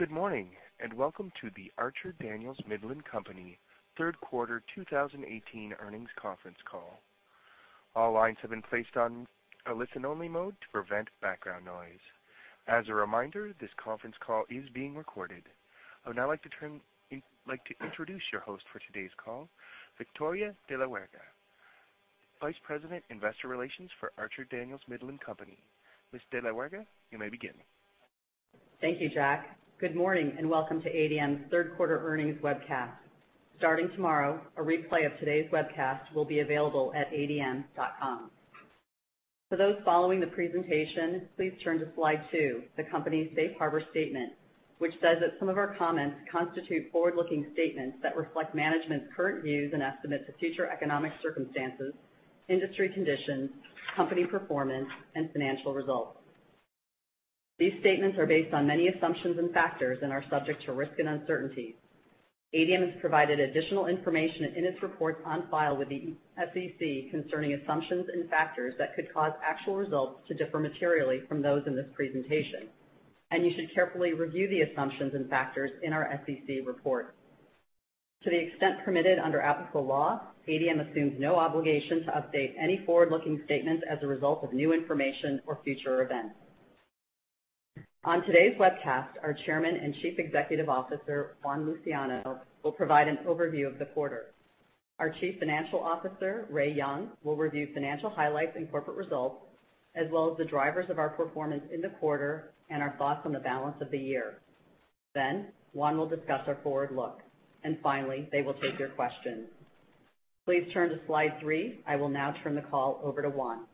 Good morning, welcome to the Archer Daniels Midland Company Third Quarter 2018 Earnings Conference Call. All lines have been placed on a listen-only mode to prevent background noise. As a reminder, this conference call is being recorded. I would now like to introduce your host for today's call, Victoria de la Huerga, Vice President, Investor Relations for Archer Daniels Midland Company. Ms. de la Huerga, you may begin. Thank you, Jack. Good morning, welcome to ADM's third quarter earnings webcast. Starting tomorrow, a replay of today's webcast will be available at adm.com. For those following the presentation, please turn to Slide two, the company's safe harbor statement, which says that some of our comments constitute forward-looking statements that reflect management's current views and estimates of future economic circumstances, industry conditions, company performance, financial results. These statements are based on many assumptions and factors and are subject to risk and uncertainty. ADM has provided additional information in its reports on file with the SEC concerning assumptions and factors that could cause actual results to differ materially from those in this presentation, you should carefully review the assumptions and factors in our SEC report. To the extent permitted under applicable law, ADM assumes no obligation to update any forward-looking statements as a result of new information or future events. On today's webcast, our Chairman and Chief Executive Officer, Juan Luciano, will provide an overview of the quarter. Our Chief Financial Officer, Ray Young, will review financial highlights and corporate results, as well as the drivers of our performance in the quarter and our thoughts on the balance of the year. Juan will discuss our forward look. Finally, they will take your questions. Please turn to Slide three. I will now turn the call over to Juan.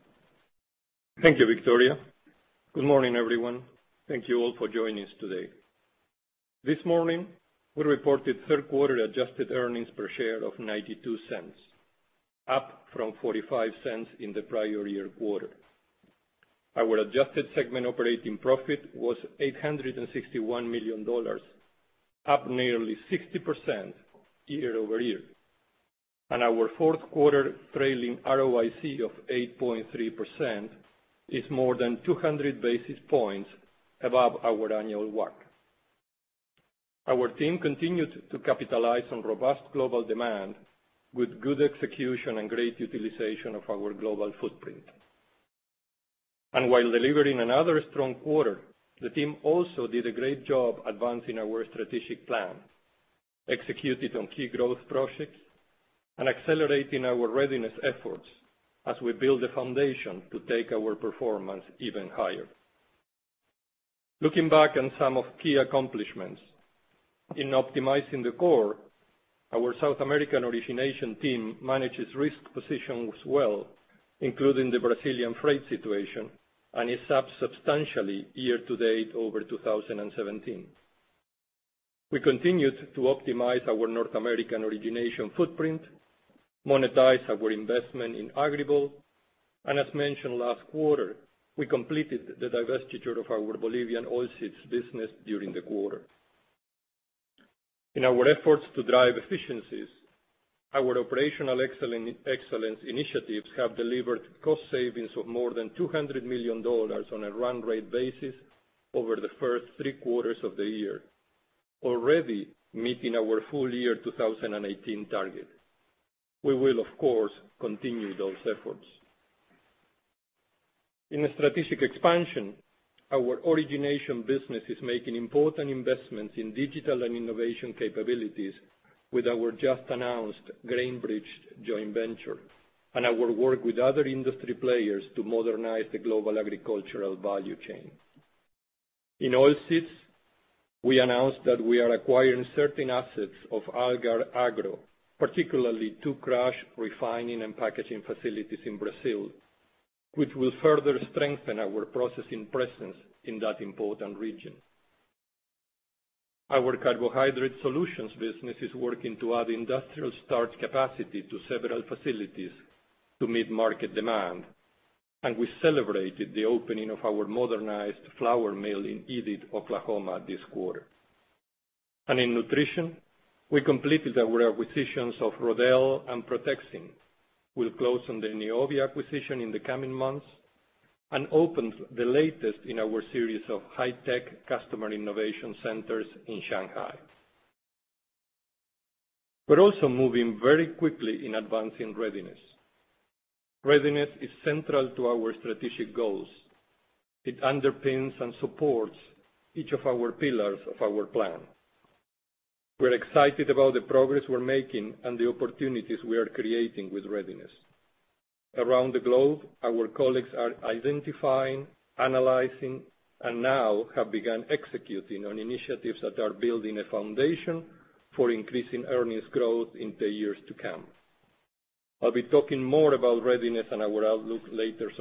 Thank you, Victoria. Good morning, everyone. Thank you all for joining us today. This morning, we reported third-quarter adjusted earnings per share of $0.92, up from $0.45 in the prior year quarter. Our adjusted segment operating profit was $861 million, up nearly 60% year-over-year. Our fourth-quarter trailing ROIC of 8.3% is more than 200 basis points above our annual work. Our team continued to capitalize on robust global demand with good execution and great utilization of our global footprint. While delivering another strong quarter, the team also did a great job advancing our strategic plan, executed on key growth projects, accelerating our readiness efforts as we build the foundation to take our performance even higher. Looking back on some of key accomplishments. In optimizing the core, our South American origination team manages risk positions well, including the Brazilian freight situation, and is up substantially year to date over 2017. We continued to optimize our North American origination footprint, monetize our investment in AgriGold, and as mentioned last quarter, we completed the divestiture of our Bolivian oilseeds business during the quarter. In our efforts to drive efficiencies, our operational excellence initiatives have delivered cost savings of more than $200 million on a run-rate basis over the first three quarters of the year, already meeting our full year 2018 target. We will, of course, continue those efforts. In strategic expansion, our origination business is making important investments in digital and innovation capabilities with our just-announced GrainBridge joint venture and our work with other industry players to modernize the global agricultural value chain. In oilseeds, we announced that we are acquiring certain assets of Algar Agro, particularly two crush, refining, and packaging facilities in Brazil, which will further strengthen our processing presence in that important region. Our Carbohydrate Solutions business is working to add industrial starch capacity to several facilities to meet market demand, and we celebrated the opening of our modernized flour mill in Enid, Oklahoma, this quarter. In nutrition, we completed our acquisitions of Rodelle and Protexin. We'll close on the Neovia acquisition in the coming months and opened the latest in our series of high-tech customer innovation centers in Shanghai. We're also moving very quickly in advancing readiness. Readiness is central to our strategic goals. It underpins and supports each of our pillars of our plan. We're excited about the progress we're making and the opportunities we are creating with readiness. Around the globe, our colleagues are identifying, analyzing, and now have begun executing on initiatives that are building a foundation for increasing earnings growth in the years to come. I'll be talking more about readiness and our outlook later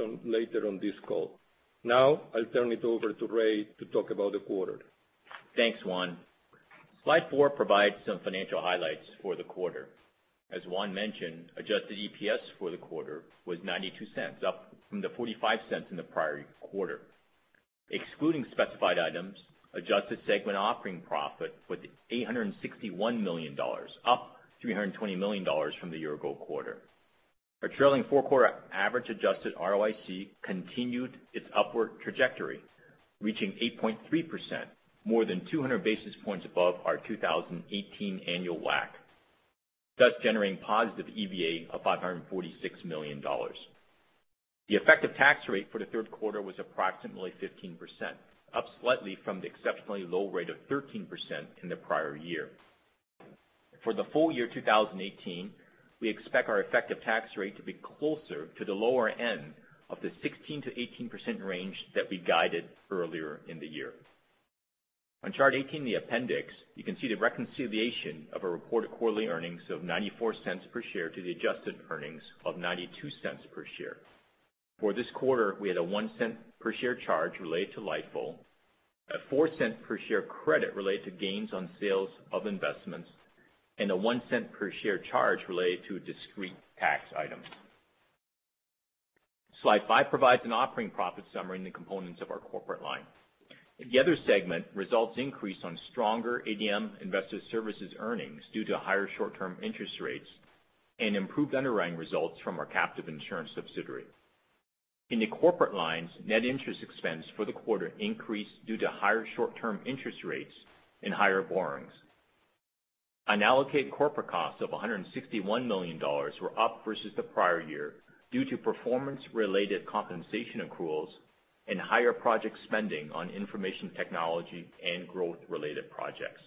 on this call. Now, I'll turn it over to Ray to talk about the quarter. Thanks, Juan. Slide four provides some financial highlights for the quarter. As Juan mentioned, adjusted EPS for the quarter was $0.92, up from the $0.45 in the prior quarter. Excluding specified items, adjusted segment operating profit was $861 million, up $320 million from the year-ago quarter. Our trailing four-quarter average adjusted ROIC continued its upward trajectory, reaching 8.3%, more than 200 basis points above our 2018 annual WACC, thus generating positive EVA of $546 million. The effective tax rate for the third quarter was approximately 15%, up slightly from the exceptionally low rate of 13% in the prior year. For the full year 2018, we expect our effective tax rate to be closer to the lower end of the 16%-18% range that we guided earlier in the year. On Chart 18, the appendix, you can see the reconciliation of a reported quarterly earnings of $0.94 per share to the adjusted earnings of $0.92 per share. For this quarter, we had a $0.01 per share charge related to LIFO, a $0.04 per share credit related to gains on sales of investments, and a $0.01 per share charge related to a discrete tax item. Slide five provides an operating profit summary and the components of our corporate line. The other segment results increased on stronger ADM Investor Services earnings due to higher short-term interest rates and improved underwriting results from our captive insurance subsidiary. In the corporate lines, net interest expense for the quarter increased due to higher short-term interest rates and higher borrowings. Unallocated corporate costs of $161 million were up versus the prior year due to performance-related compensation accruals and higher project spending on information technology and growth-related projects.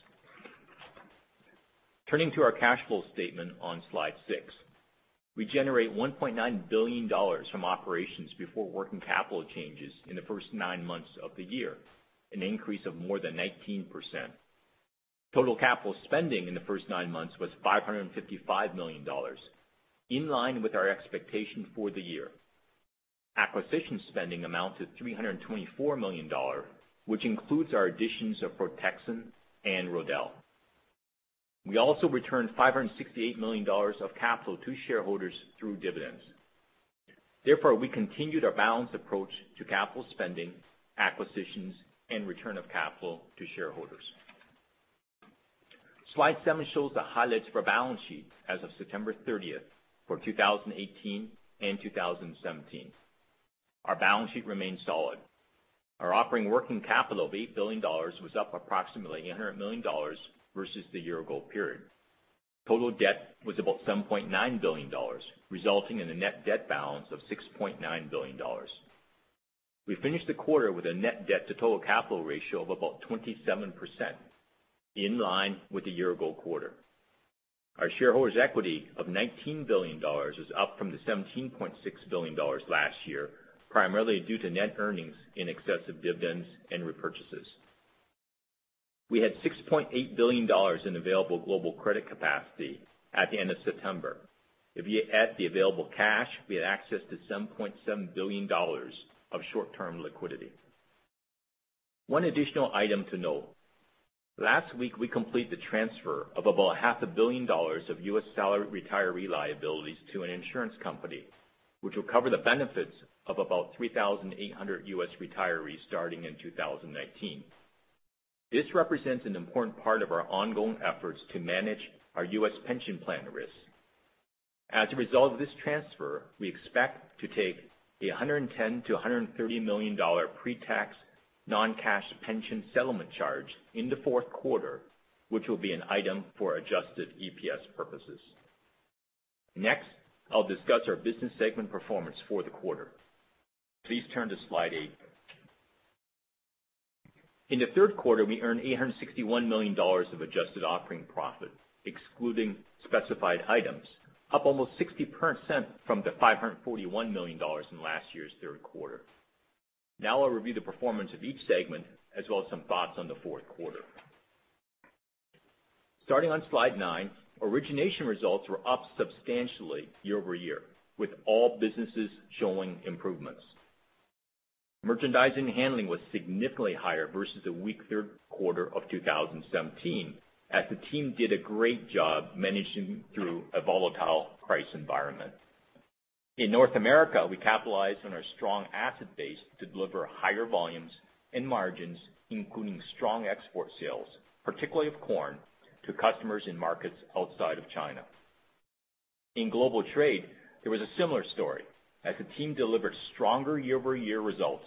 Turning to our cash flow statement on slide six. We generate $1.9 billion from operations before working capital changes in the first nine months of the year, an increase of more than 19%. Total capital spending in the first nine months was $555 million, in line with our expectation for the year. Acquisition spending amounted to $324 million, which includes our additions of Protexin and Rodelle. We also returned $568 million of capital to shareholders through dividends. We continued our balanced approach to capital spending, acquisitions, and return of capital to shareholders. Slide seven shows the highlights for our balance sheet as of September 30th for 2018 and 2017. Our balance sheet remains solid. Our operating working capital of $8 billion was up approximately $800 million versus the year-ago period. Total debt was about $7.9 billion, resulting in a net debt balance of $6.9 billion. We finished the quarter with a net debt-to-total capital ratio of about 27%, in line with the year-ago quarter. Our shareholders' equity of $19 billion is up from the $17.6 billion last year, primarily due to net earnings in excess of dividends and repurchases. We had $6.8 billion in available global credit capacity at the end of September. If you add the available cash, we had access to $7.7 billion of short-term liquidity. One additional item to note. Last week, we completed the transfer of about $500 million of U.S. salaried retiree liabilities to an insurance company, which will cover the benefits of about 3,800 U.S. retirees starting in 2019. This represents an important part of our ongoing efforts to manage our U.S. pension plan risks. As a result of this transfer, we expect to take a $110 million-$130 million pre-tax non-cash pension settlement charge in the fourth quarter, which will be an item for adjusted EPS purposes. I'll discuss our business segment performance for the quarter. Please turn to slide eight. In the third quarter, we earned $861 million of adjusted operating profit, excluding specified items, up almost 60% from the $541 million in last year's third quarter. I'll review the performance of each segment as well as some thoughts on the fourth quarter. Starting on slide nine, origination results were up substantially year-over-year, with all businesses showing improvements. Merchandise and handling was significantly higher versus the weak third quarter of 2017, as the team did a great job managing through a volatile price environment. In North America, we capitalized on our strong asset base to deliver higher volumes and margins, including strong export sales, particularly of corn, to customers in markets outside of China. In global trade, there was a similar story as the team delivered stronger year-over-year results.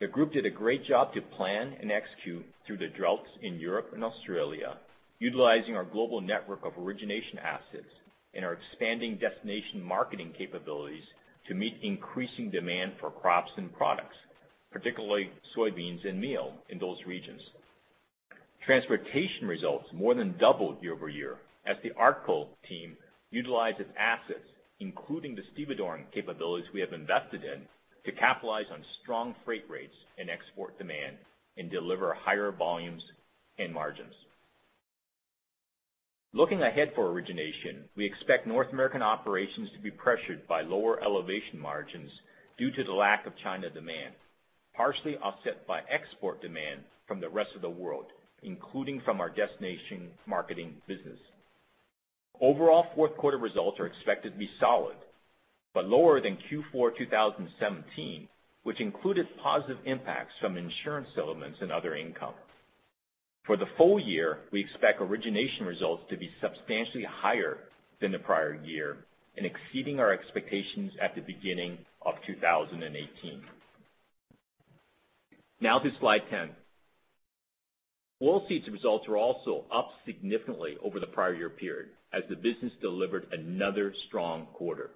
The group did a great job to plan and execute through the droughts in Europe and Australia, utilizing our global network of origination assets and our expanding destination marketing capabilities to meet increasing demand for crops and products, particularly soybeans and meal in those regions. Transportation results more than doubled year-over-year as the ARTCo team utilized its assets, including the stevedoring capabilities we have invested in, to capitalize on strong freight rates and export demand and deliver higher volumes and margins. Looking ahead for origination, we expect North American operations to be pressured by lower elevation margins due to the lack of China demand, partially offset by export demand from the rest of the world, including from our destination marketing business. Overall, fourth quarter results are expected to be solid but lower than Q4 2017, which included positive impacts from insurance settlements and other income. For the full year, we expect origination results to be substantially higher than the prior year and exceeding our expectations at the beginning of 2018. Now to slide 10. Oilseeds results are also up significantly over the prior year period as the business delivered another strong quarter.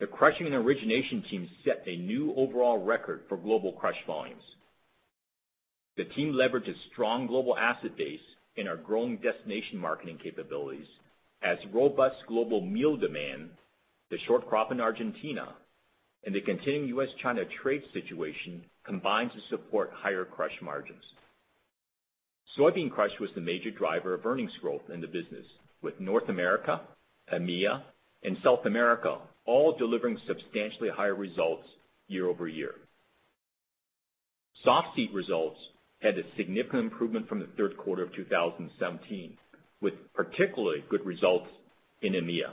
The crushing and origination team set a new overall record for global crush volumes. The team leveraged its strong global asset base and our growing destination marketing capabilities as robust global meal demand, the short crop in Argentina, and the continuing U.S.-China trade situation combined to support higher crush margins. Soybean crush was the major driver of earnings growth in the business, with North America, EMEA, and South America all delivering substantially higher results year-over-year. Softseed results had a significant improvement from the third quarter of 2017, with particularly good results in EMEA.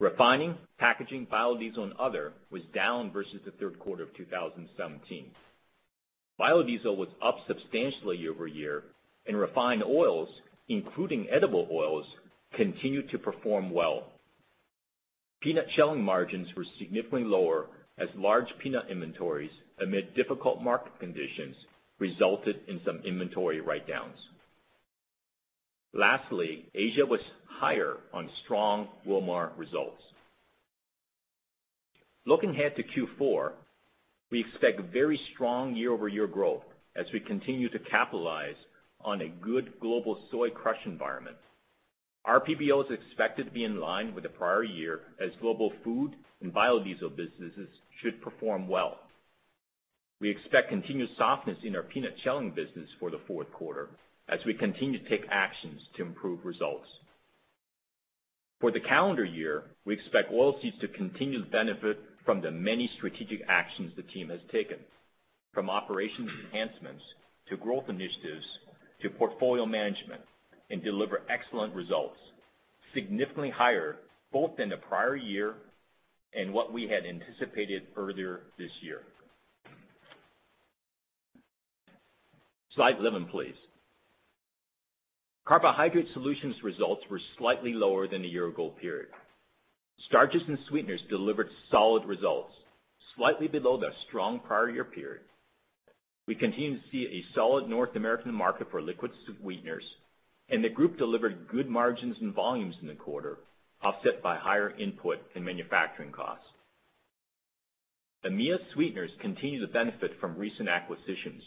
Refining, packaging, biodiesel, and other was down versus the third quarter of 2017. Biodiesel was up substantially year-over-year, and refined oils, including edible oils, continued to perform well. Peanut shelling margins were significantly lower as large peanut inventories amid difficult market conditions resulted in some inventory write-downs. Lastly, Asia was higher on strong Wilmar results. Looking ahead to Q4, we expect very strong year-over-year growth as we continue to capitalize on a good global soy crush environment. Our PBO is expected to be in line with the prior year as global food and biodiesel businesses should perform well. We expect continued softness in our peanut shelling business for the fourth quarter as we continue to take actions to improve results. For the calendar year, we expect Oilseeds to continue to benefit from the many strategic actions the team has taken, from operations enhancements to growth initiatives to portfolio management and deliver excellent results, significantly higher both than the prior year and what we had anticipated earlier this year. Slide 11, please. Carbohydrate Solutions results were slightly lower than the year-ago period. Starches and sweeteners delivered solid results, slightly below the strong prior year period. We continue to see a solid North American market for liquid sweeteners, and the group delivered good margins and volumes in the quarter, offset by higher input and manufacturing costs. EMEA sweeteners continue to benefit from recent acquisitions,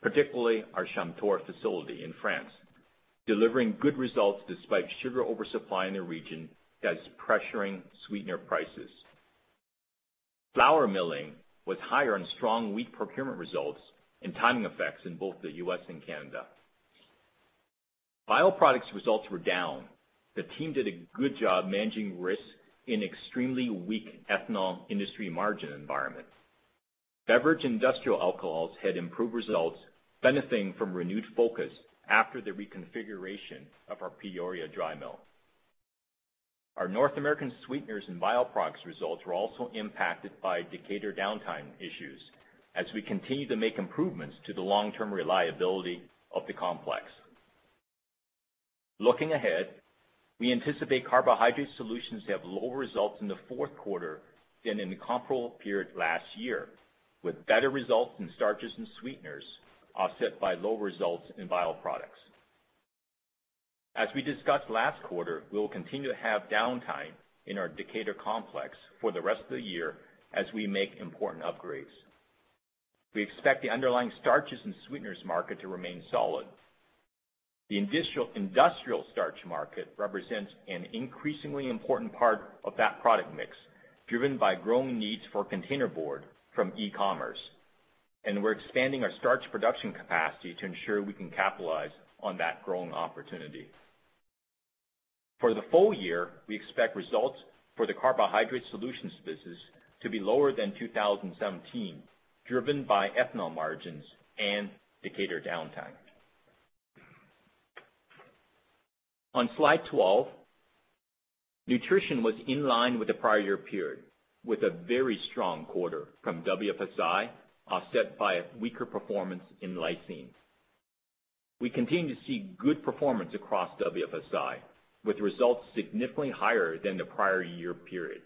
particularly our Chamtor facility in France, delivering good results despite sugar oversupply in the region that is pressuring sweetener prices. Flour milling was higher on strong wheat procurement results and timing effects in both the U.S. and Canada. Bioproducts results were down. The team did a good job managing risk in extremely weak ethanol industry margin environment. Beverage industrial alcohols had improved results, benefiting from renewed focus after the reconfiguration of our Peoria dry mill. Our North American sweeteners and Bioproducts results were also impacted by Decatur downtime issues as we continue to make improvements to the long-term reliability of the complex. Looking ahead, we anticipate Carbohydrate Solutions to have lower results in the fourth quarter than in the comparable period last year, with better results in starches and sweeteners offset by lower results in Bioproducts. As we discussed last quarter, we will continue to have downtime in our Decatur complex for the rest of the year as we make important upgrades. We expect the underlying starches and sweeteners market to remain solid. The industrial starch market represents an increasingly important part of that product mix, driven by growing needs for container board from e-commerce. We're expanding our starch production capacity to ensure we can capitalize on that growing opportunity. For the full year, we expect results for the Carbohydrate Solutions business to be lower than 2017, driven by ethanol margins and Decatur downtime. On slide 12, nutrition was in line with the prior year period, with a very strong quarter from WFSI, offset by a weaker performance in lysine. We continue to see good performance across WFSI, with results significantly higher than the prior year period.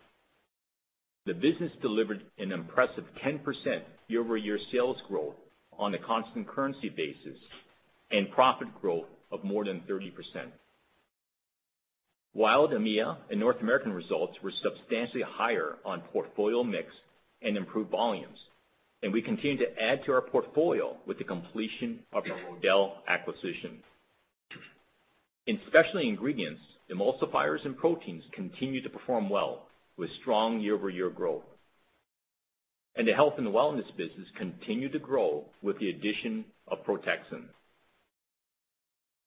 The business delivered an impressive 10% year-over-year sales growth on a constant currency basis and profit growth of more than 30%. While EMEA and North American results were substantially higher on portfolio mix and improved volumes. We continue to add to our portfolio with the completion of the Rodelle acquisition. In specialty ingredients, emulsifiers and proteins continue to perform well with strong year-over-year growth. The health and wellness business continued to grow with the addition of Protexin.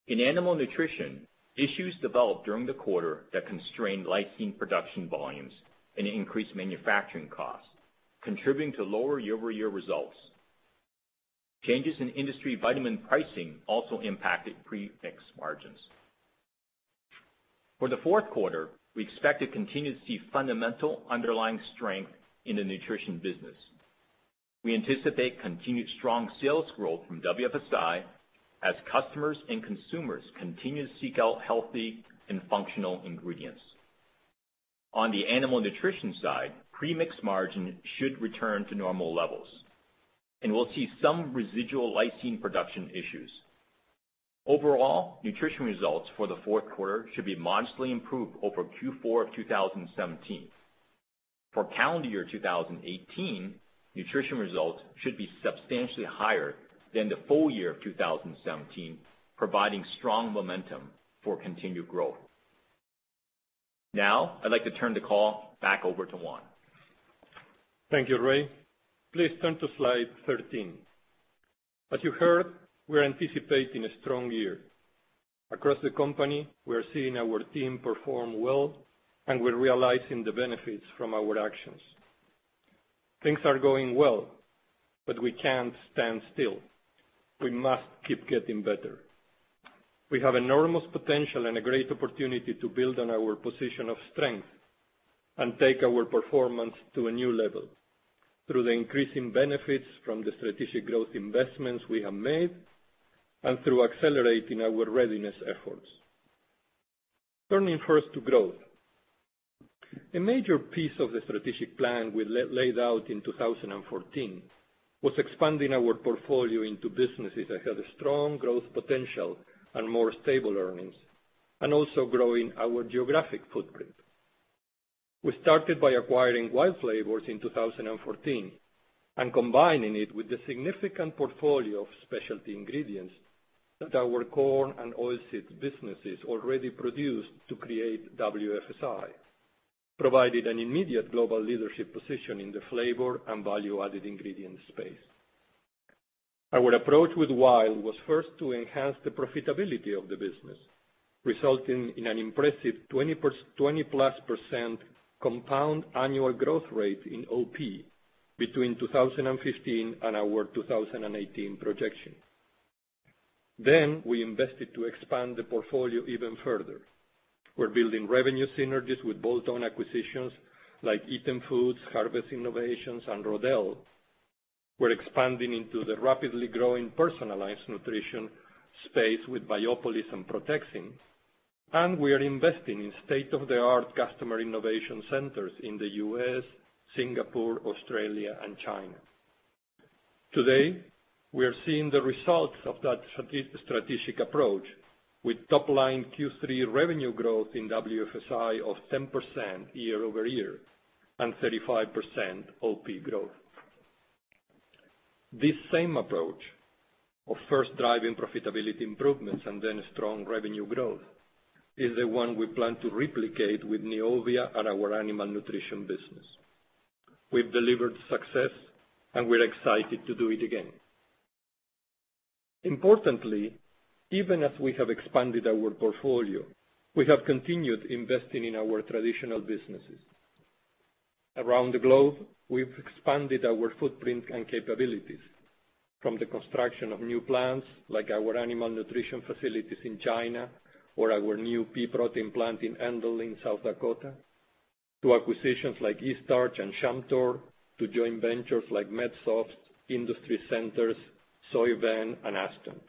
In animal nutrition, issues developed during the quarter that constrained lysine production volumes and increased manufacturing costs, contributing to lower year-over-year results. Changes in industry vitamin pricing also impacted premix margins. For the fourth quarter, we expect to continue to see fundamental underlying strength in the nutrition business. We anticipate continued strong sales growth from WFSI as customers and consumers continue to seek out healthy and functional ingredients. On the animal nutrition side, premix margin should return to normal levels. We'll see some residual lysine production issues. Overall, nutrition results for the fourth quarter should be modestly improved over Q4 of 2017. For calendar year 2018, nutrition results should be substantially higher than the full year of 2017, providing strong momentum for continued growth. I'd like to turn the call back over to Juan. Thank you, Ray. Please turn to slide 13. As you heard, we're anticipating a strong year. Across the company, we are seeing our team perform well, and we're realizing the benefits from our actions. Things are going well, but we can't stand still. We must keep getting better. We have enormous potential and a great opportunity to build on our position of strength and take our performance to a new level through the increasing benefits from the strategic growth investments we have made and through accelerating our readiness efforts. Turning first to growth. A major piece of the strategic plan we laid out in 2014 was expanding our portfolio into businesses that had a strong growth potential and more stable earnings, also growing our geographic footprint. We started by acquiring WILD Flavors in 2014 and combining it with the significant portfolio of specialty ingredients that our corn and oilseed businesses already produced to create WFSI, provided an immediate global leadership position in the flavor and value-added ingredient space. Our approach with WILD was first to enhance the profitability of the business, resulting in an impressive 20%+ compound annual growth rate in OP between 2015 and our 2018 projection. We invested to expand the portfolio even further. We're building revenue synergies with bolt-on acquisitions like Eatem Foods, Harvest Innovations, and Rodelle. We're expanding into the rapidly growing personalized nutrition space with Biopolis and Protexin, and we are investing in state-of-the-art customer innovation centers in the U.S., Singapore, Australia, and China. Today, we are seeing the results of that strategic approach with top-line Q3 revenue growth in WFSI of 10% year-over-year and 35% OP growth. This same approach of first driving profitability improvements and then strong revenue growth is the one we plan to replicate with Neovia and our animal nutrition business. We've delivered success, and we're excited to do it again. Importantly, even as we have expanded our portfolio, we have continued investing in our traditional businesses. Around the globe, we've expanded our footprint and capabilities from the construction of new plants like our animal nutrition facilities in China or our new pea protein plant in Enderlin, North Dakota, to acquisitions like Eaststarch and Chamtor, to joint ventures like Medsofts, Industries Centers, SoyVen, and Aston.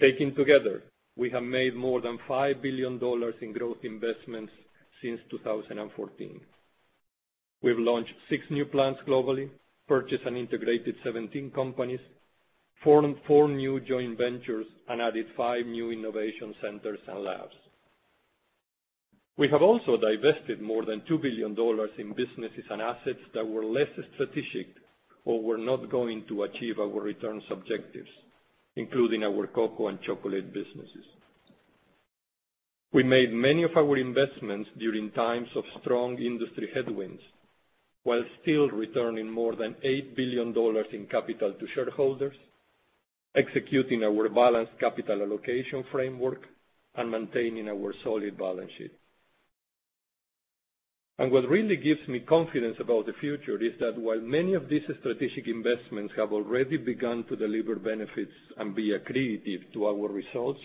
Taken together, we have made more than $5 billion in growth investments since 2014. We've launched six new plants globally, purchased and integrated 17 companies, formed four new joint ventures, and added five new innovation centers and labs. We have also divested more than $2 billion in businesses and assets that were less strategic or were not going to achieve our returns objectives, including our cocoa and chocolate businesses. We made many of our investments during times of strong industry headwinds, while still returning more than $8 billion in capital to shareholders, executing our balanced capital allocation framework, and maintaining our solid balance sheet. What really gives me confidence about the future is that while many of these strategic investments have already begun to deliver benefits and be accretive to our results,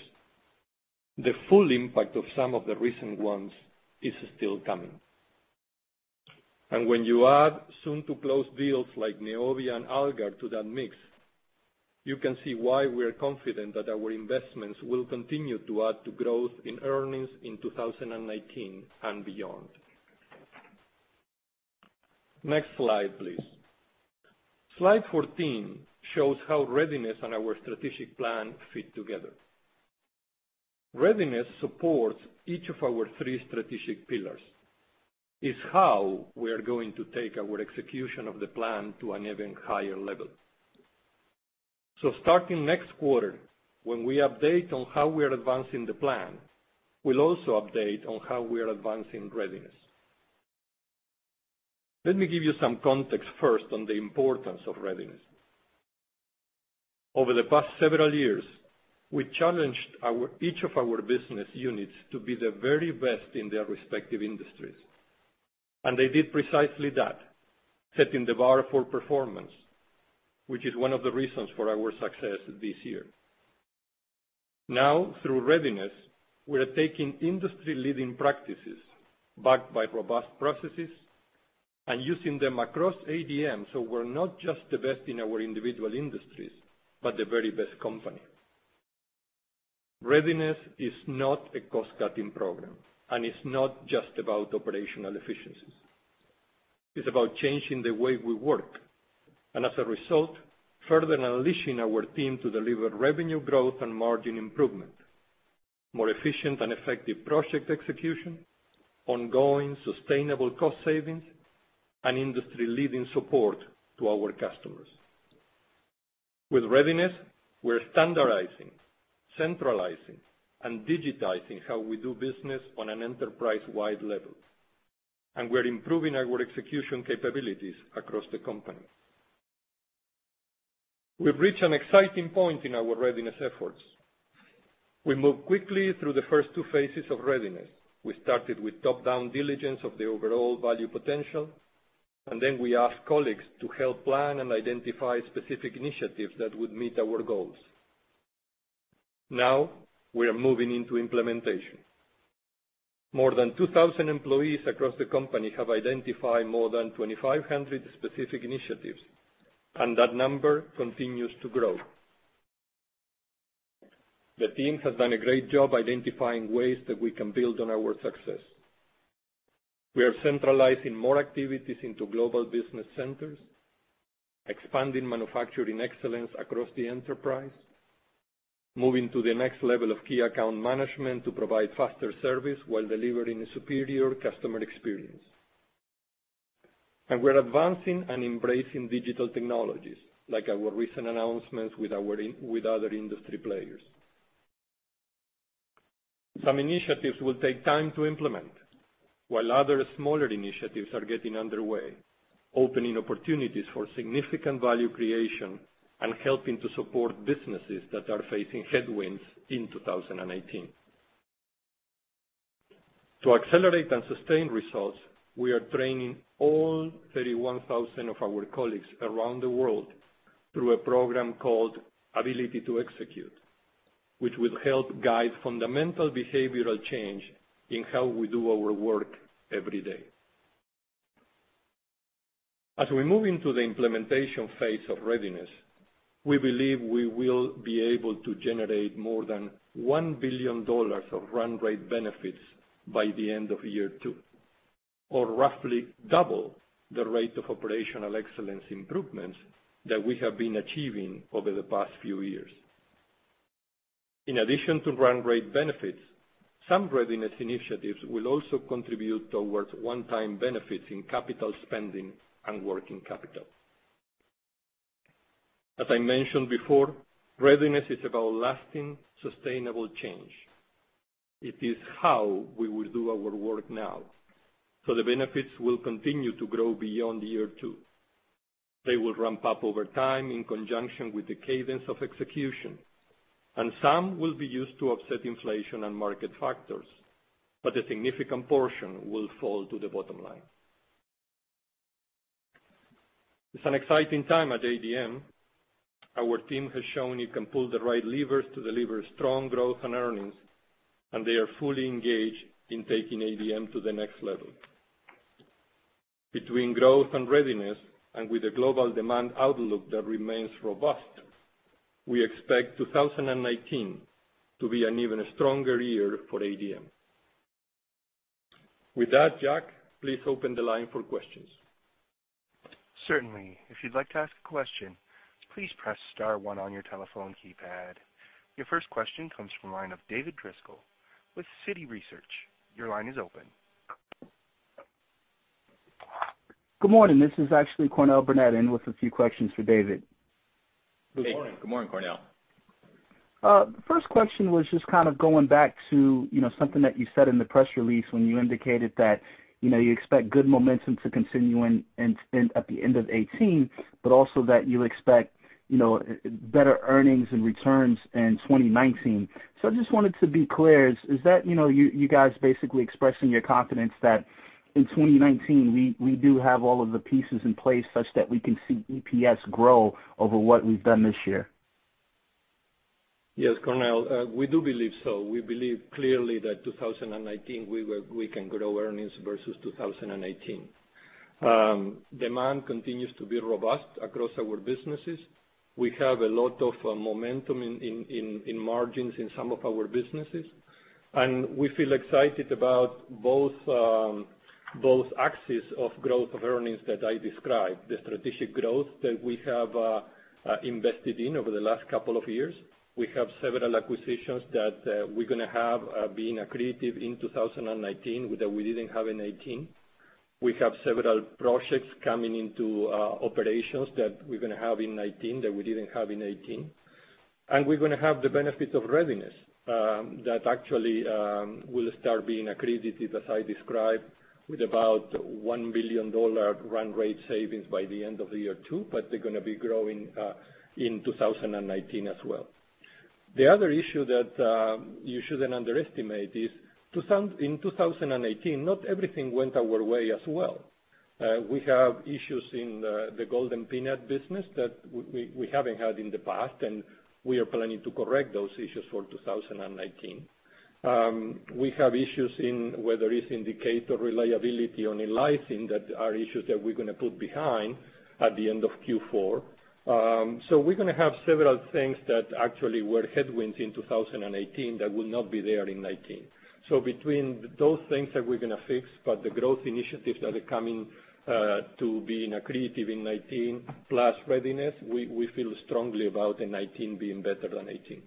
the full impact of some of the recent ones is still coming. When you add soon-to-close deals like Neovia and Algar to that mix, you can see why we're confident that our investments will continue to add to growth in earnings in 2019 and beyond. Next slide, please. Slide 14 shows how Readiness and our strategic plan fit together. Readiness supports each of our three strategic pillars, is how we are going to take our execution of the plan to an even higher level. Starting next quarter, when we update on how we are advancing the plan, we'll also update on how we are advancing Readiness. Let me give you some context first on the importance of Readiness. Over the past several years, we challenged each of our business units to be the very best in their respective industries. And they did precisely that, setting the bar for performance, which is one of the reasons for our success this year. Through Readiness, we are taking industry leading practices backed by robust processes and using them across ADM, so we're not just the best in our individual industries, but the very best company. Readiness is not a cost-cutting program, and it's not just about operational efficiencies. It's about changing the way we work, and as a result, further unleashing our team to deliver revenue growth and margin improvement, more efficient and effective project execution, ongoing sustainable cost savings, and industry-leading support to our customers. With Readiness, we're standardizing, centralizing, and digitizing how we do business on an enterprise-wide level, and we're improving our execution capabilities across the company. We've reached an exciting point in our Readiness efforts. We moved quickly through the first two phases of Readiness. We started with top-down diligence of the overall value potential, then we asked colleagues to help plan and identify specific initiatives that would meet our goals. We are moving into implementation. More than 2,000 employees across the company have identified more than 2,500 specific initiatives, that number continues to grow. The teams have done a great job identifying ways that we can build on our success. We are centralizing more activities into global business centers, expanding manufacturing excellence across the enterprise, moving to the next level of key account management to provide faster service while delivering a superior customer experience. We're advancing and embracing digital technologies, like our recent announcements with other industry players. Some initiatives will take time to implement, while other smaller initiatives are getting underway, opening opportunities for significant value creation and helping to support businesses that are facing headwinds in 2018. To accelerate and sustain results, we are training all 31,000 of our colleagues around the world through a program called Ability to Execute, which will help guide fundamental behavioral change in how we do our work every day. As we move into the implementation phase of Readiness, we believe we will be able to generate more than $1 billion of run rate benefits by the end of year two, or roughly double the rate of operational excellence improvements that we have been achieving over the past few years. In addition to run rate benefits, some Readiness initiatives will also contribute towards one-time benefits in capital spending and working capital. As I mentioned before, Readiness is about lasting, sustainable change. It is how we will do our work now, so the benefits will continue to grow beyond year two. They will ramp up over time in conjunction with the cadence of execution, and some will be used to offset inflation and market factors, but a significant portion will fall to the bottom line. It's an exciting time at ADM. Our team has shown it can pull the right levers to deliver strong growth and earnings, and they are fully engaged in taking ADM to the next level. Between growth and Readiness, and with a global demand outlook that remains robust, we expect 2019 to be an even stronger year for ADM. With that, Jack, please open the line for questions. Certainly. If you'd like to ask a question, please press star one on your telephone keypad. Your first question comes from the line of David Driscoll with Citi Research. Your line is open. Good morning. This is actually Cornell Burnette in with a few questions for David. Good morning. Hey, good morning, Cornell. First question was just kind of going back to something that you said in the press release when you indicated that you expect good momentum to continue at the end of 2018, but also that you expect better earnings and returns in 2019. I just wanted to be clear, is that you guys basically expressing your confidence that in 2019, we do have all of the pieces in place such that we can see EPS grow over what we've done this year? Yes, Cornell, we do believe so. We believe clearly that 2019, we can grow earnings versus 2018. Demand continues to be robust across our businesses. We have a lot of momentum in margins in some of our businesses, and we feel excited about both axes of growth of earnings that I described, the strategic growth that we have invested in over the last couple of years. We have several acquisitions that we're going to have being accretive in 2019, that we didn't have in 2018. We have several projects coming into operations that we're going to have in 2019 that we didn't have in 2018, and we're going to have the benefits of Readiness. That actually will start being accretive, as I described, with about $1 billion run rate savings by the end of year two. They're going to be growing in 2019 as well. The other issue that you shouldn't underestimate is, in 2018, not everything went our way as well. We have issues in the Golden Peanut business that we haven't had in the past, and we are planning to correct those issues for 2019. We have issues in where there is indicator reliability on lysine that are issues that we're going to put behind at the end of Q4. We're going to have several things that actually were headwinds in 2018 that will not be there in 2019. Between those things that we're going to fix, the growth initiatives that are coming to be accretive in 2019 plus Readiness, we feel strongly about 2019 being better than 2018.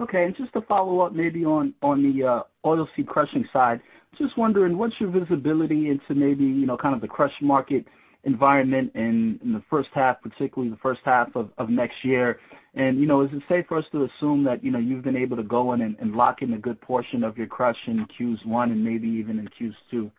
Okay. Just to follow up maybe on the oilseed crushing side, just wondering, what's your visibility into maybe kind of the crush market environment in the first half, particularly in the first half of next year? Is it safe for us to assume that you've been able to go in and lock in a good portion of your crush in Qs one and maybe even in Qs two?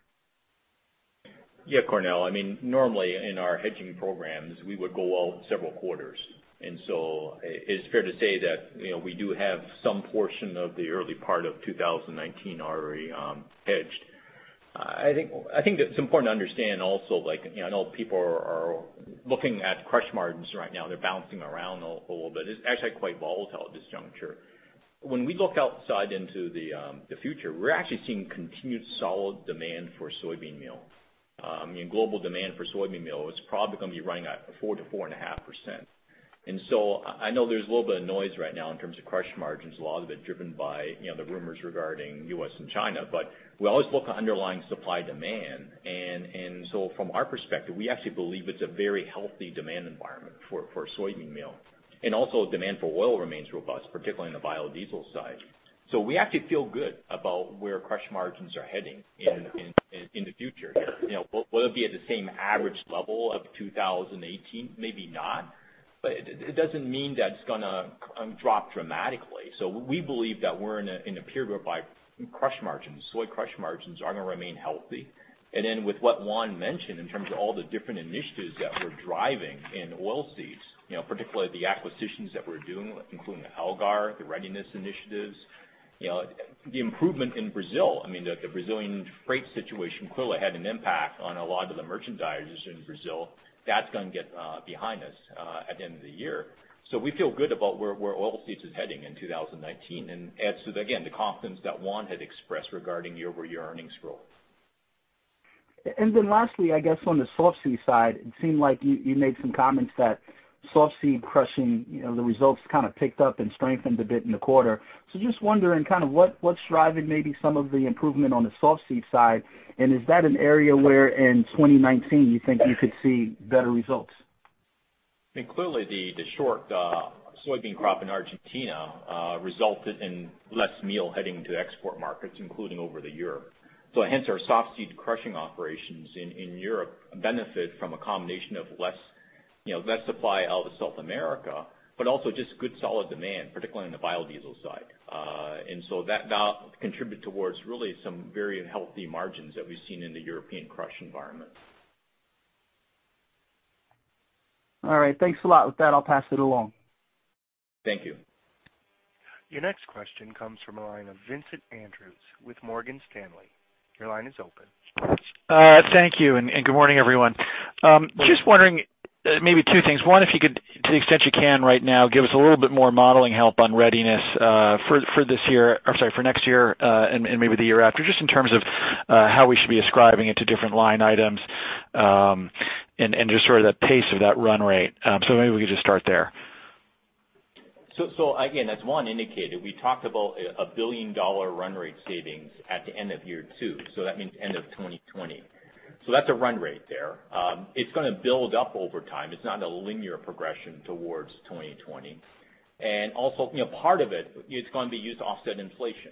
Yeah, Cornell. Normally in our hedging programs, we would go out several quarters. It's fair to say that we do have some portion of the early part of 2019 already hedged. I think that it's important to understand also, I know people are looking at crush margins right now. They're bouncing around a little bit. It's actually quite volatile at this juncture. When we look outside into the future, we're actually seeing continued solid demand for soybean meal. Global demand for soybean meal is probably going to be running at 4%-4.5%. I know there's a little bit of noise right now in terms of crush margins, a lot of it driven by the rumors regarding U.S. and China. We always look at underlying supply demand. From our perspective, we actually believe it's a very healthy demand environment for soybean meal. Also demand for oil remains robust, particularly on the biodiesel side. We actually feel good about where crush margins are heading in the future. Will it be at the same average level of 2018? Maybe not. It doesn't mean that it's going to drop dramatically. We believe that we're in a period whereby crush margins, soy crush margins are going to remain healthy. With what Juan mentioned, in terms of all the different initiatives that we're driving in oilseeds, particularly the acquisitions that we're doing, including the Algar, the readiness initiatives. The improvement in Brazil. The Brazilian freight situation clearly had an impact on a lot of the merchandisers in Brazil. That's going to get behind us at the end of the year. We feel good about where oilseeds is heading in 2019, and adds to, again, the confidence that Juan had expressed regarding year-over-year earnings growth. Lastly, I guess on the softseed side, it seemed like you made some comments that softseed crushing, the results kind of picked up and strengthened a bit in the quarter. Just wondering, what's driving maybe some of the improvement on the softseed side, and is that an area where in 2019 you think you could see better results? Clearly, the short soybean crop in Argentina resulted in less meal heading to export markets, including over to Europe. Hence our softseed crushing operations in Europe benefit from a combination of less supply out of South America, but also just good solid demand, particularly on the biodiesel side. That contribute towards really some very healthy margins that we've seen in the European crush environment. All right. Thanks a lot. With that, I'll pass it along. Thank you. Your next question comes from the line of Vincent Andrews with Morgan Stanley. Your line is open. Thank you, good morning, everyone. Just wondering maybe two things. One, if you could, to the extent you can right now, give us a little bit more modeling help on Readiness for next year and maybe the year after, just in terms of how we should be ascribing it to different line items, and just sort of the pace of that run rate. Maybe we could just start there. Again, as Juan indicated, we talked about a $1 billion run rate savings at the end of year two, that means end of 2020. That's a run rate there. It's going to build up over time. It's not a linear progression towards 2020. Also, part of it is going to be used to offset inflation.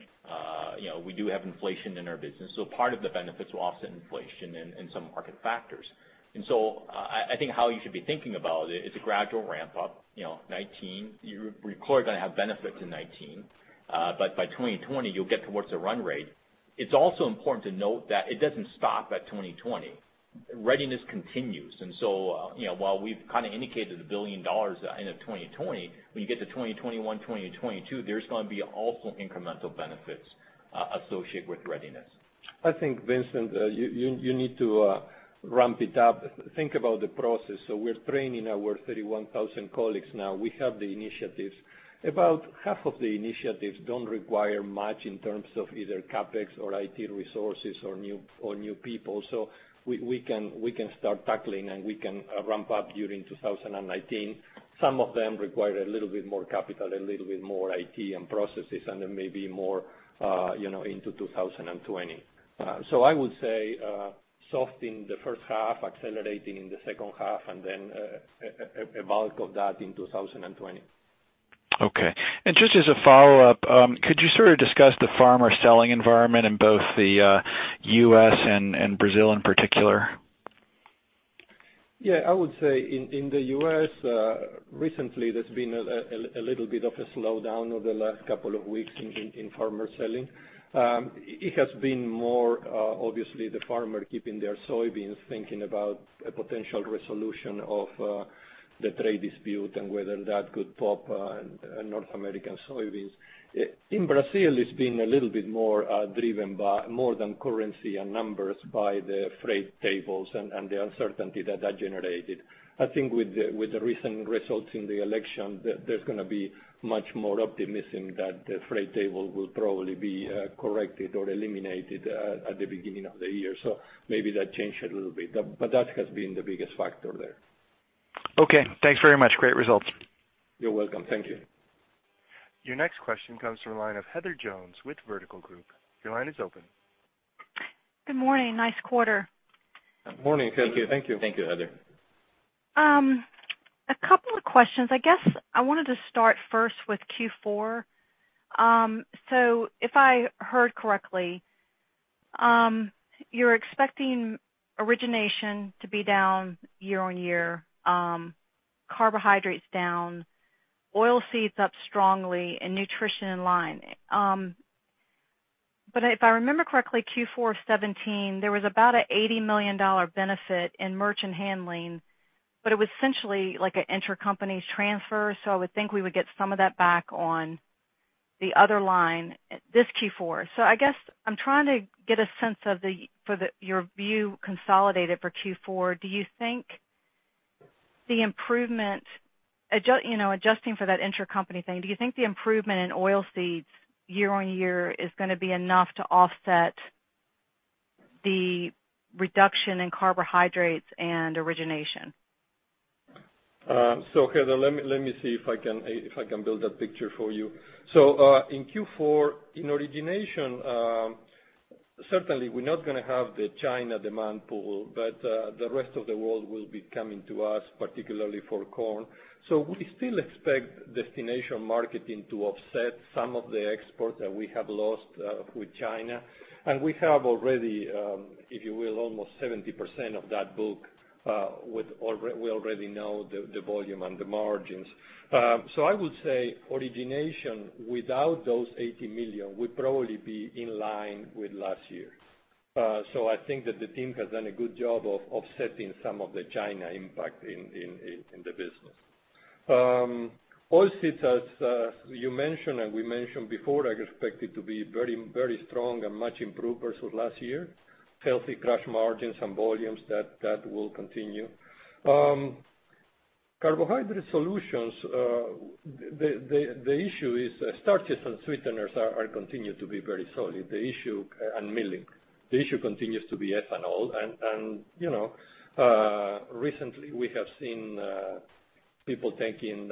We do have inflation in our business, part of the benefits will offset inflation and some market factors. I think how you should be thinking about it's a gradual ramp up. 2019, you're clearly going to have benefits in 2019. By 2020, you'll get towards the run rate. It's also important to note that it doesn't stop at 2020. Readiness continues. While we've kind of indicated $1 billion at end of 2020, when you get to 2021, 2022, there's going to be also incremental benefits associated with Readiness. Vincent, you need to ramp it up. Think about the process. We're training our 31,000 colleagues now. We have the initiatives. About half of the initiatives don't require much in terms of either CapEx or IT resources or new people. We can start tackling, and we can ramp up during 2019. Some of them require a little bit more capital, a little bit more IT and processes, and then maybe more into 2020. I would say soft in the first half, accelerating in the second half, and then a bulk of that in 2020. Okay. Just as a follow-up, could you sort of discuss the farmer selling environment in both the U.S. and Brazil in particular? Yeah, I would say in the U.S., recently there's been a little bit of a slowdown over the last couple of weeks in farmer selling. It has been more, obviously, the farmer keeping their soybeans, thinking about a potential resolution of the trade dispute and whether that could pop North American soybeans. In Brazil, it's been a little bit more driven by more than currency and numbers by the freight tables and the uncertainty that that generated. I think with the recent results in the election, there's going to be much more optimism that the freight table will probably be corrected or eliminated at the beginning of the year. Maybe that changed a little bit, but that has been the biggest factor there. Okay. Thanks very much. Great results. You're welcome. Thank you. Your next question comes from the line of Heather Jones with Vertical Group. Your line is open. Good morning. Nice quarter. Good morning. Thank you. Thank you, Heather. A couple of questions. I guess I wanted to start first with Q4. If I heard correctly, you're expecting origination to be down year-on-year, carbohydrates down, oilseeds up strongly, and nutrition in line. If I remember correctly, Q4 of 2017, there was about an $80 million benefit in merchant handling, it was essentially like an intercompany transfer, I would think we would get some of that back on the other line this Q4. I guess I'm trying to get a sense of your view consolidated for Q4. Adjusting for that intercompany thing, do you think the improvement in oilseeds year-on-year is going to be enough to offset the reduction in carbohydrates and origination? Heather, let me see if I can build that picture for you. In Q4, in origination, certainly we're not going to have the China demand pool, the rest of the world will be coming to us, particularly for corn. We still expect destination marketing to offset some of the exports that we have lost with China. We have already, if you will, almost 70% of that book, we already know the volume and the margins. I would say origination without those $80 million would probably be in line with last year. I think that the team has done a good job of offsetting some of the China impact in the business. Oilseeds, as you mentioned and we mentioned before, I expect it to be very strong and much improved versus last year. Healthy crush margins and volumes, that will continue. Carbohydrate Solutions, the issue is starches and sweeteners are continued to be very solid, milling. The issue continues to be ethanol, recently we have seen people taking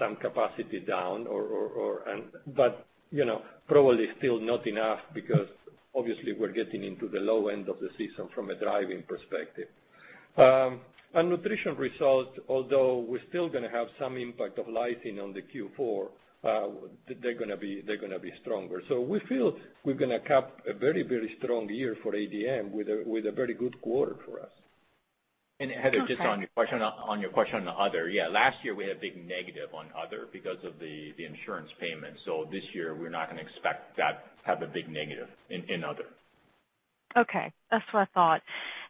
some capacity down, probably still not enough because obviously we're getting into the low end of the season from a driving perspective. Nutrition results, although we're still going to have some impact of lysine on the Q4, they're going to be stronger. We feel we're going to cap a very strong year for ADM with a very good quarter for us. Heather, just on your question on other, yeah, last year we had a big negative on other because of the insurance payments. This year we're not going to expect that to have a big negative in other. Okay. That's what I thought.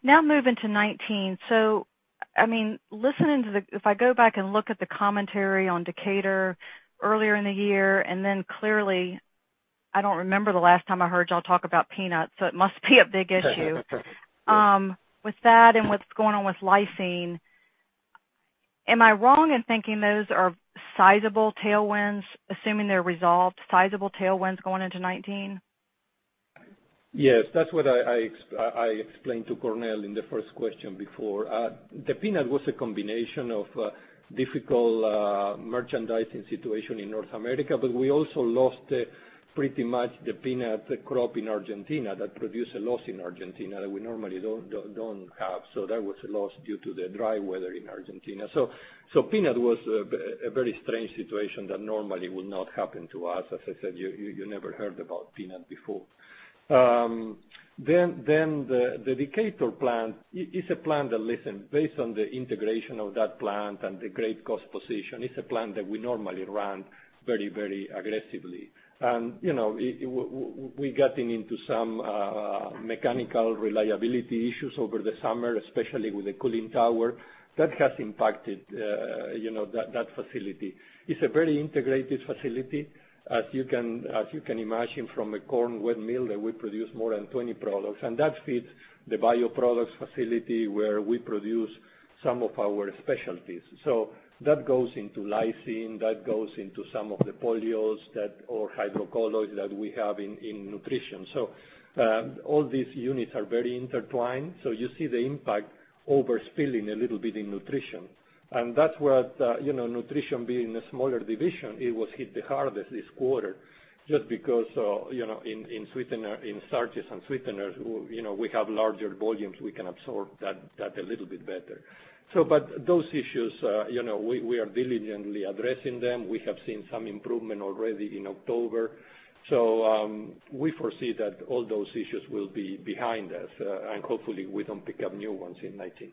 Moving to 2019. If I go back and look at the commentary on Decatur earlier in the year, clearly, I don't remember the last time I heard y'all talk about peanuts, so it must be a big issue. That's right. Yes. With that and what's going on with lysine, am I wrong in thinking those are sizable tailwinds, assuming they're resolved, sizable tailwinds going into 2019? That's what I explained to Cornell in the first question before. The peanut was a combination of a difficult merchandising situation in North America, but we also lost pretty much the peanut crop in Argentina. That produced a loss in Argentina that we normally don't have. That was a loss due to the dry weather in Argentina. Peanut was a very strange situation that normally would not happen to us. As I said, you never heard about peanut before. The Decatur plant, listen, based on the integration of that plant and the great cost position, it's a plant that we normally run very aggressively. We got into some mechanical reliability issues over the summer, especially with the cooling tower. That has impacted that facility. It's a very integrated facility. As you can imagine from a corn wet mill, that we produce more than 20 products, and that feeds the bioproducts facility where we produce some of our specialties. That goes into lysine, that goes into some of the polyols or hydrocolloid that we have in nutrition. All these units are very intertwined. You see the impact overspilling a little bit in nutrition. That's what, nutrition being a smaller division, it was hit the hardest this quarter just because in starches and sweeteners, we have larger volumes, we can absorb that a little bit better. But those issues, we are diligently addressing them. We have seen some improvement already in October. We foresee that all those issues will be behind us, and hopefully we don't pick up new ones in 2019.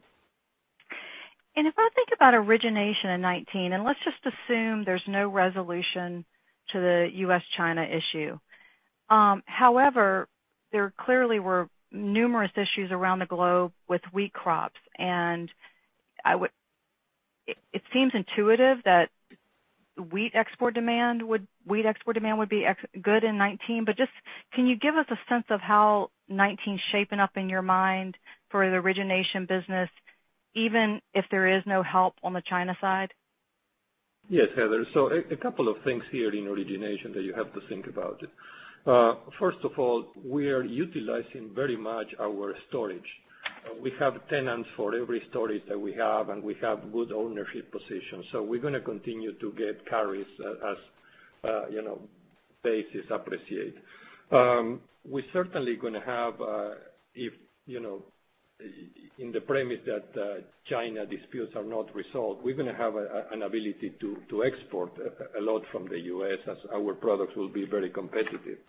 If I think about origination in 2019, let's just assume there's no resolution to the U.S.-China issue. However, there clearly were numerous issues around the globe with wheat crops, it seems intuitive that wheat export demand would be good in 2019. Just can you give us a sense of how 2019's shaping up in your mind for the origination business, even if there is no help on the China side? Heather. A couple of things here in origination that you have to think about. First of all, we are utilizing very much our storage. We have tenants for every storage that we have, and we have good ownership positions. We're going to continue to get carries as bases appreciate. We're certainly going to have, in the premise that China disputes are not resolved, we're going to have an ability to export a lot from the U.S. as our products will be very competitive.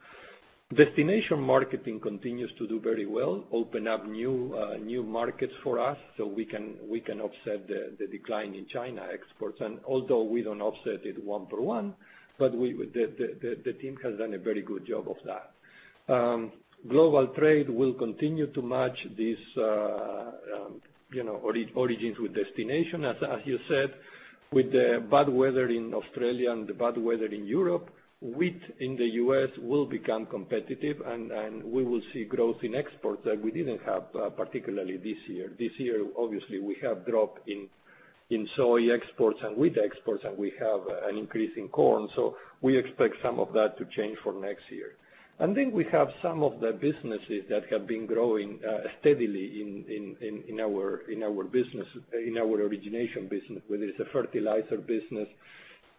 Destination marketing continues to do very well, open up new markets for us so we can offset the decline in China exports. Although we don't offset it one for one, but the team has done a very good job of that. Global trade will continue to match these origins with destination. As you said, with the bad weather in Australia and the bad weather in Europe, wheat in the U.S. will become competitive, and we will see growth in exports that we didn't have, particularly this year. This year, obviously, we have drop in soy exports and wheat exports, and we have an increase in corn. We expect some of that to change for next year. We have some of the businesses that have been growing steadily in our origination business, whether it's the fertilizer business,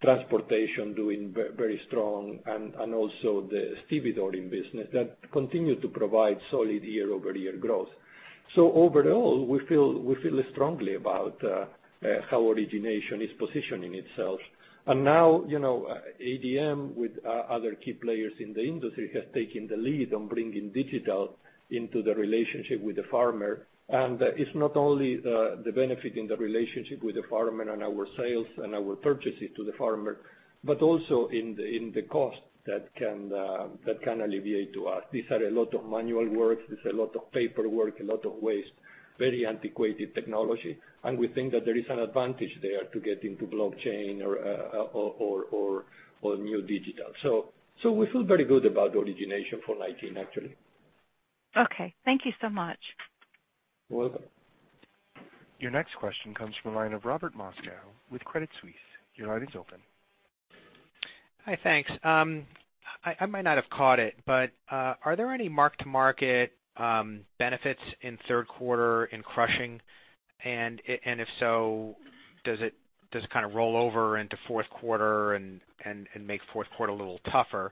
transportation doing very strong, and also the stevedoring business that continue to provide solid year-over-year growth. Overall, we feel strongly about how origination is positioning itself. Now, ADM, with other key players in the industry, has taken the lead on bringing digital into the relationship with the farmer. It's not only the benefit in the relationship with the farmer and our sales and our purchases to the farmer, but also in the cost that can alleviate to us. These are a lot of manual work. There's a lot of paperwork, a lot of waste, very antiquated technology. We think that there is an advantage there to get into blockchain or new digital. We feel very good about origination for 2019, actually. Okay. Thank you so much. Welcome. Your next question comes from the line of Robert Moskow with Credit Suisse. Your line is open. Hi, thanks. I might not have caught it, but are there any mark-to-market benefits in third quarter in crushing? If so, does it kind of roll over into fourth quarter and make fourth quarter a little tougher?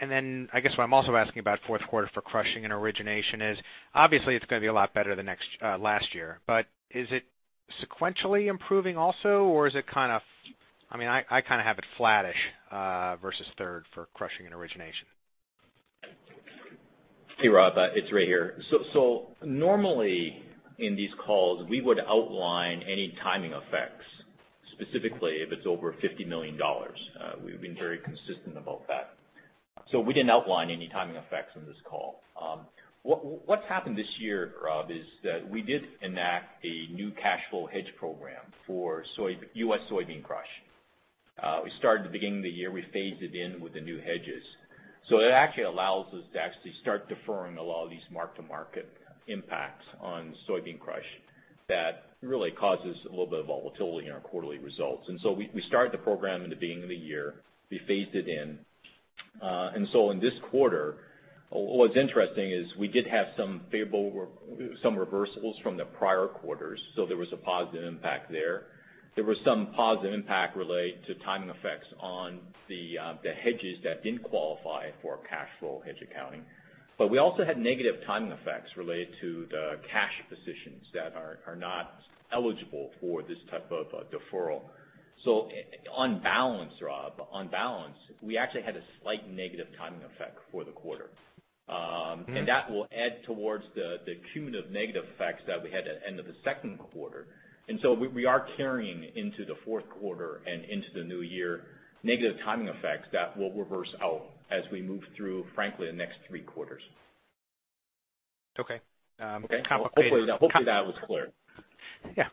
I guess, what I'm also asking about fourth quarter for crushing and origination is obviously it's going to be a lot better than last year, but is it sequentially improving also? I kind of have it flattish versus third for crushing and origination. Hey, Rob, it's Ray here. Normally in these calls, we would outline any timing effects, specifically if it's over $50 million. We've been very consistent about that. We didn't outline any timing effects on this call. What's happened this year, Rob, is that we did enact a new cash flow hedge program for U.S. soybean crush. We started at the beginning of the year. We phased it in with the new hedges. It actually allows us to start deferring a lot of these mark-to-market impacts on soybean crush that really causes a little bit of volatility in our quarterly results. We started the program in the beginning of the year. We phased it in. In this quarter, what's interesting is we did have some reversals from the prior quarters. There was a positive impact there. There was some positive impact related to timing effects on the hedges that didn't qualify for cash flow hedge accounting. We also had negative timing effects related to the cash positions that are not eligible for this type of deferral. On balance, Rob, we actually had a slight negative timing effect for the quarter. That will add towards the cumulative negative effects that we had at end of the second quarter. We are carrying into the fourth quarter and into the new year negative timing effects that will reverse out as we move through, frankly, the next three quarters. Okay. Hopefully that was clear. Yeah.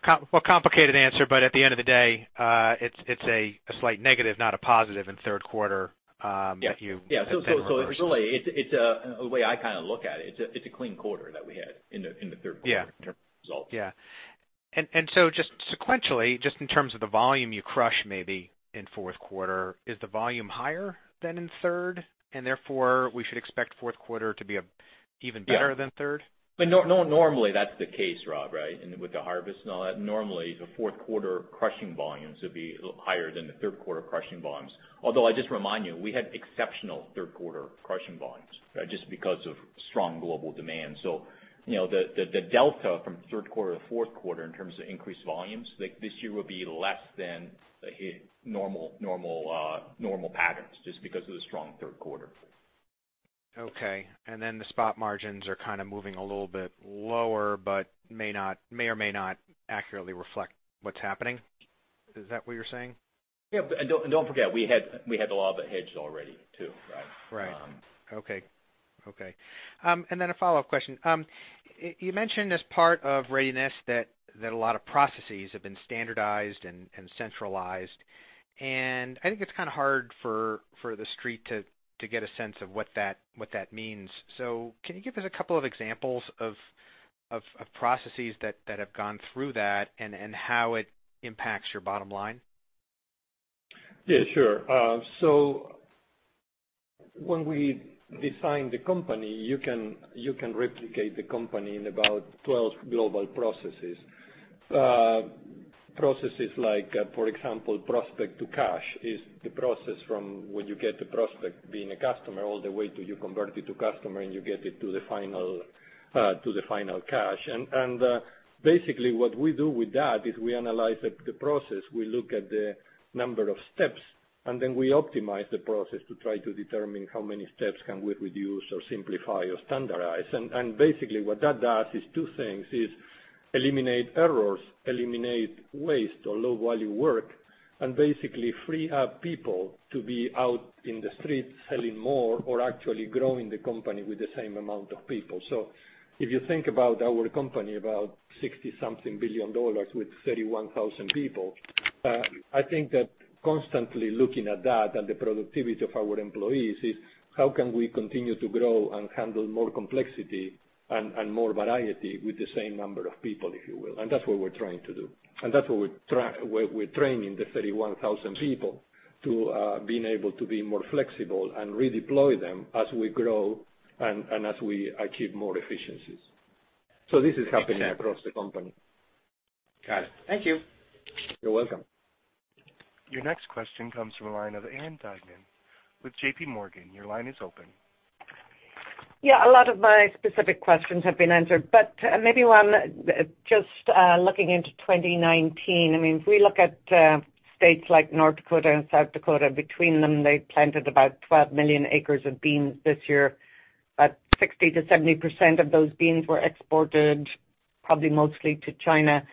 Complicated answer, but at the end of the day, it's a slight negative, not a positive in third quarter that you have been reversing. Yeah. Really, the way I kind of look at it's a clean quarter that we had in the third quarter in terms of results. Yeah. Just sequentially, just in terms of the volume you crush maybe in fourth quarter, is the volume higher than in third? Therefore, we should expect fourth quarter to be even better than third? Yeah. Normally, that's the case, Rob, right? With the harvest and all that, normally the fourth quarter crushing volumes would be higher than the third quarter crushing volumes. Although I just remind you, we had exceptional third quarter crushing volumes just because of strong global demand. The delta from third quarter to fourth quarter in terms of increased volumes this year will be less than normal patterns just because of the strong third quarter. Okay. The spot margins are kind of moving a little bit lower, but may or may not accurately reflect what's happening. Is that what you're saying? Yeah. Don't forget, we had a lot of it hedged already, too. Right. Okay. A follow-up question. You mentioned as part of readiness that a lot of processes have been standardized and centralized. I think it's kind of hard for the Street to get a sense of what that means. Can you give us a couple of examples of processes that have gone through that, and how it impacts your bottom line? When we define the company, you can replicate the company in about 12 global processes. Processes like, for example, prospect to cash is the process from when you get the prospect being a customer, all the way till you convert it to customer and you get it to the final cash. Basically, what we do with that is we analyze the process. We look at the number of steps, and then we optimize the process to try to determine how many steps can we reduce or simplify or standardize. Basically what that does is two things, is eliminate errors, eliminate waste or low-value work, and basically free up people to be out in the streets selling more or actually growing the company with the same amount of people. If you think about our company, about $60-something billion with 31,000 people, I think that constantly looking at that and the productivity of our employees is how can we continue to grow and handle more complexity and more variety with the same number of people, if you will. That's what we're trying to do. That's what we're training the 31,000 people to being able to be more flexible and redeploy them as we grow and as we achieve more efficiencies. This is happening across the company. Got it. Thank you. You're welcome. Your next question comes from the line of Ann Duignan with JPMorgan. Your line is open. Yeah, a lot of my specific questions have been answered, but maybe one just looking into 2019. If we look at states like North Dakota and South Dakota, between them, they planted about 12 million acres of beans this year, but 60%-70% of those beans were exported, probably mostly to China.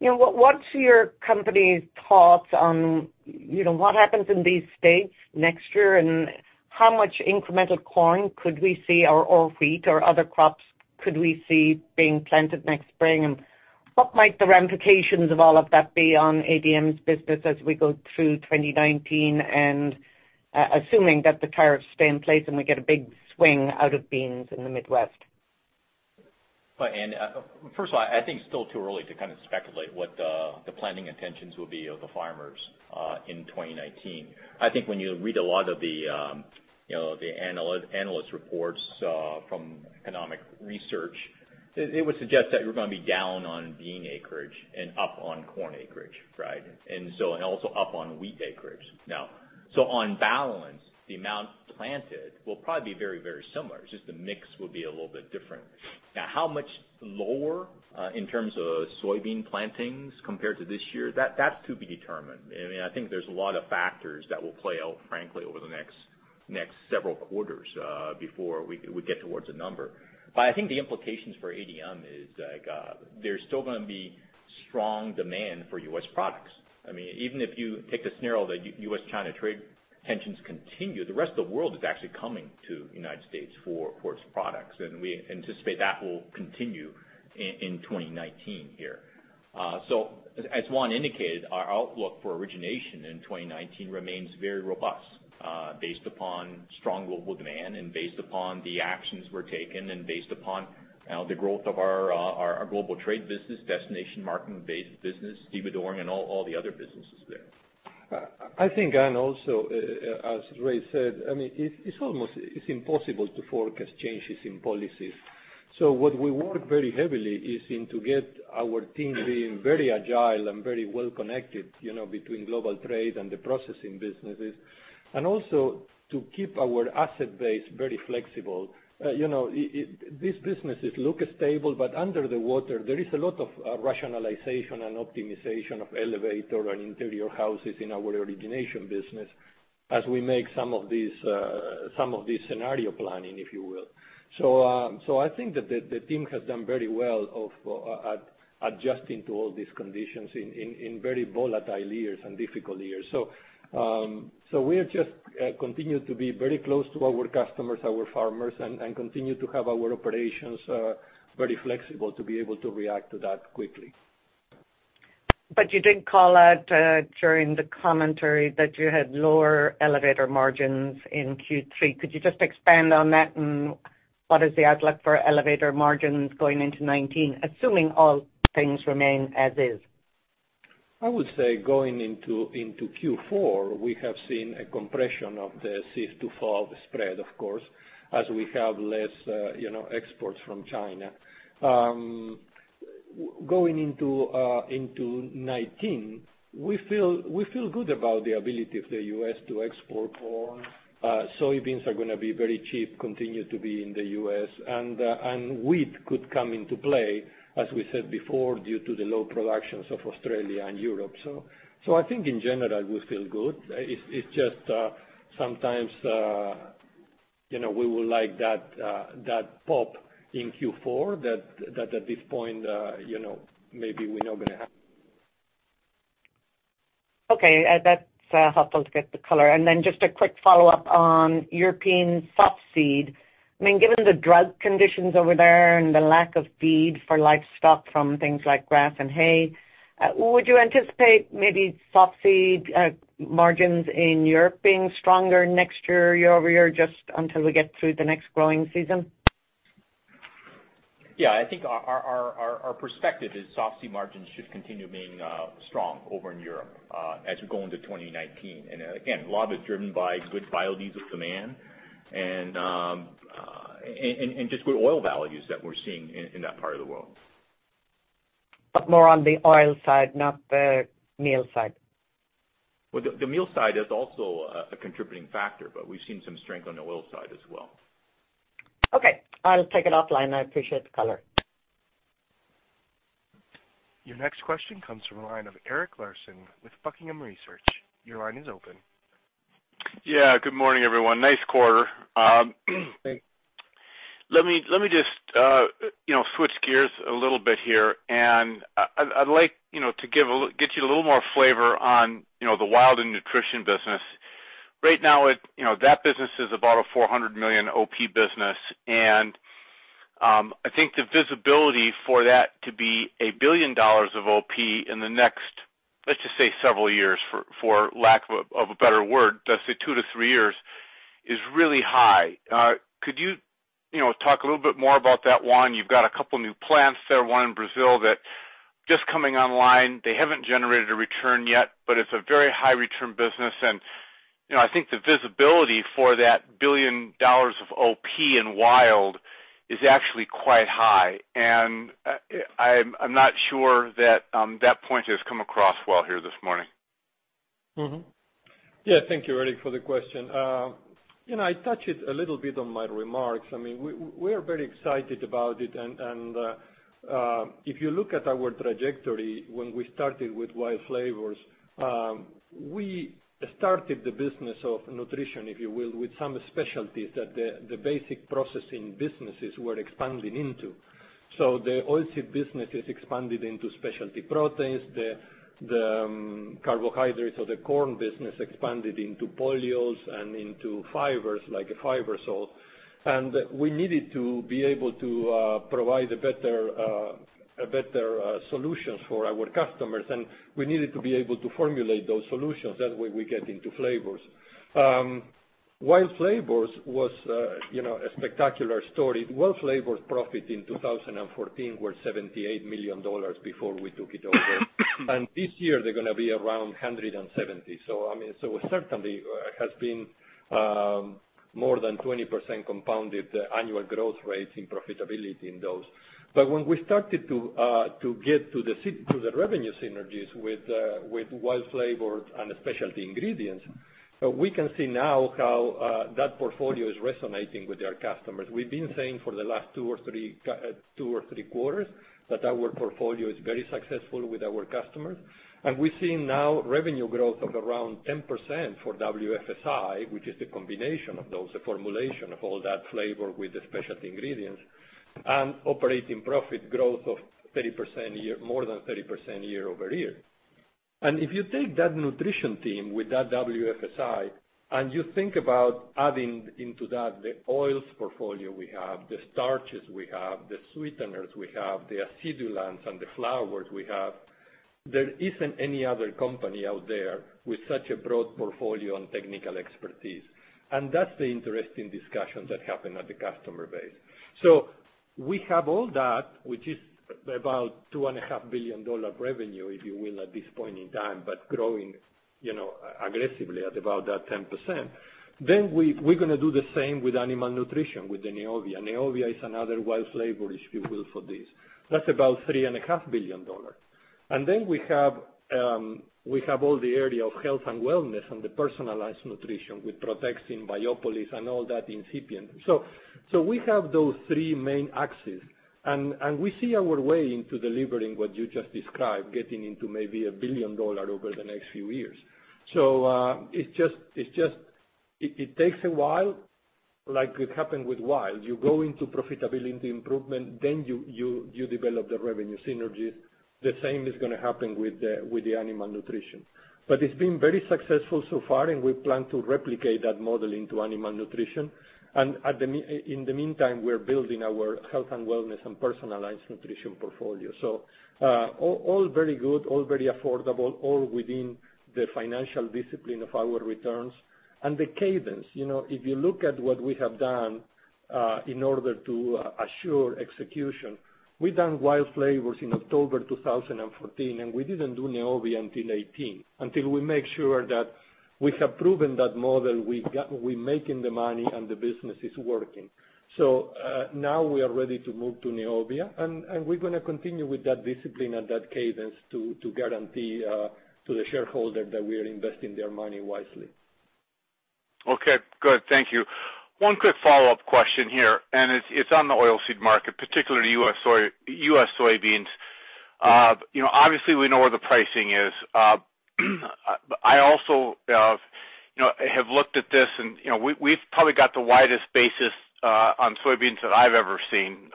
What's your company's thoughts on what happens in these states next year, and how much incremental corn could we see, or wheat or other crops could we see being planted next spring? What might the ramifications of all of that be on ADM's business as we go through 2019, and assuming that the tariffs stay in place and we get a big swing out of beans in the Midwest? Well, Ann, first of all, I think it's still too early to kind of speculate what the planting intentions will be of the farmers in 2019. I think when you read a lot of the analyst reports from economic research, it would suggest that you're going to be down on bean acreage and up on corn acreage, right? Also up on wheat acreage. On balance, the amount planted will probably be very similar. It's just the mix will be a little bit different. How much lower in terms of soybean plantings compared to this year? That's to be determined. I think there's a lot of factors that will play out, frankly, over the next several quarters before we get towards a number. I think the implications for ADM is there's still going to be strong demand for U.S. products. Even if you take the scenario that U.S.-China trade tensions continue, the rest of the world is actually coming to the United States for its products, we anticipate that will continue in 2019 here. As Juan indicated, our outlook for origination in 2019 remains very robust based upon strong global demand and based upon the actions we're taking and based upon the growth of our global trade business, destination marketing-based business, stevedoring, all the other businesses there. I think, Ann, also as Ray said, it's almost impossible to forecast changes in policies. What we work very heavily is to get our team being very agile and very well connected between global trade and the processing businesses, and also to keep our asset base very flexible. These businesses look stable, but under the water, there is a lot of rationalization and optimization of elevator and interior houses in our origination business as we make some of these scenario planning, if you will. I think that the team has done very well of adjusting to all these conditions in very volatile years and difficult years. We have just continued to be very close to our customers, our farmers, and continue to have our operations very flexible to be able to react to that quickly. You did call out during the commentary that you had lower elevator margins in Q3. Could you just expand on that, and what is the outlook for elevator margins going into 2019, assuming all things remain as is? I would say going into Q4, we have seen a compression of the cease to fall spread, of course, as we have less exports from China. Going into 2019, we feel good about the ability of the U.S. to export corn. Soybeans are going to be very cheap, continue to be in the U.S., and wheat could come into play, as we said before, due to the low productions of Australia and Europe. I think in general, we feel good. It's just sometimes we would like that pop in Q4 that at this point, maybe we're not going to have. Okay. That's helpful to get the color. Then just a quick follow-up on European softseed. Given the drought conditions over there and the lack of feed for livestock from things like grass and hay, would you anticipate maybe softseed margins in Europe being stronger next year-over-year, just until we get through the next growing season? Yeah, I think our perspective is softseed margins should continue being strong over in Europe as we go into 2019. Again, a lot of it's driven by good biodiesel demand and just good oil values that we're seeing in that part of the world. More on the oil side, not the meal side. Well, the meal side is also a contributing factor, but we've seen some strength on the oil side as well. Okay. I'll take it offline. I appreciate the color. Your next question comes from the line of Eric Larson with Buckingham Research. Your line is open. Yeah, good morning, everyone. Nice quarter. Thanks. Let me just switch gears a little bit here. I'd like to get you a little more flavor on the WILD and Nutrition business. Right now, that business is about a $400 million OP business, and I think the visibility for that to be $1 billion of OP in the next, let's just say, several years, for lack of a better word, let's say two to three years, is really high. Could you talk a little bit more about that, Juan? You've got a couple new plants there, one in Brazil that's just coming online. They haven't generated a return yet, but it's a very high return business. I think the visibility for that $1 billion of OP in WILD is actually quite high, and I'm not sure that point has come across well here this morning. Yeah, thank you, Eric, for the question. I touched a little bit on my remarks. We are very excited about it. If you look at our trajectory when we started with WILD Flavors, we started the business of Nutrition, if you will, with some specialties that the basic processing businesses were expanding into. The oilseed business is expanded into specialty proteins. The Carbohydrate or the corn business expanded into polyols and into fibers, like Fibersol. We needed to be able to provide better solutions for our customers, and we needed to be able to formulate those solutions. That way, we get into flavors. WILD Flavors was a spectacular story. WILD Flavors profit in 2014 was $78 million before we took it over. This year, they're going to be around $170 million. Certainly, it has been more than 20% compounded annual growth rate in profitability in those. When we started to get to the revenue synergies with WILD Flavors and Specialty Ingredients, we can see now how that portfolio is resonating with our customers. We've been saying for the last two or three quarters that our portfolio is very successful with our customers. We're seeing now revenue growth of around 10% for WFSI, which is the combination of those, the formulation of all that flavor with the Specialty Ingredients, and operating profit growth of more than 30% year-over-year. If you take that nutrition team with that WFSI, and you think about adding into that the oils portfolio we have, the starches we have, the sweeteners we have, the acidulants, and the flours we have, there isn't any other company out there with such a broad portfolio and technical expertise. That's the interesting discussion that happened at the customer base. We have all that, which is about $2.5 billion revenue, if you will, at this point in time, but growing aggressively at about that 10%. We're going to do the same with animal nutrition, with the Neovia. Neovia is another WILD Flavors, if you will, for this. That's about $3.5 billion. Then we have all the area of health and wellness and the personalized nutrition with Protexin, Biopolis and all that incipient. We have those three main axes, and we see our way into delivering what you just described, getting into maybe a $1 billion over the next few years. It takes a while, like it happened with WILD. You go into profitability improvement, then you develop the revenue synergies. The same is going to happen with the animal nutrition. It's been very successful so far, and we plan to replicate that model into animal nutrition. In the meantime, we're building our health and wellness and personalized nutrition portfolio. All very good, all very affordable, all within the financial discipline of our returns. The cadence, if you look at what we have done in order to assure execution, we've done WILD Flavors in October 2014, and we didn't do Neovia until 2018, until we make sure that we have proven that model. We're making the money, and the business is working. Now we are ready to move to Neovia, and we're going to continue with that discipline and that cadence to guarantee to the shareholder that we are investing their money wisely. Okay, good. Thank you. One quick follow-up question here. It's on the oilseed market, particularly U.S. soybeans. Obviously, we know where the pricing is. I also have looked at this. We've probably got the widest basis on soybeans that I've ever seen.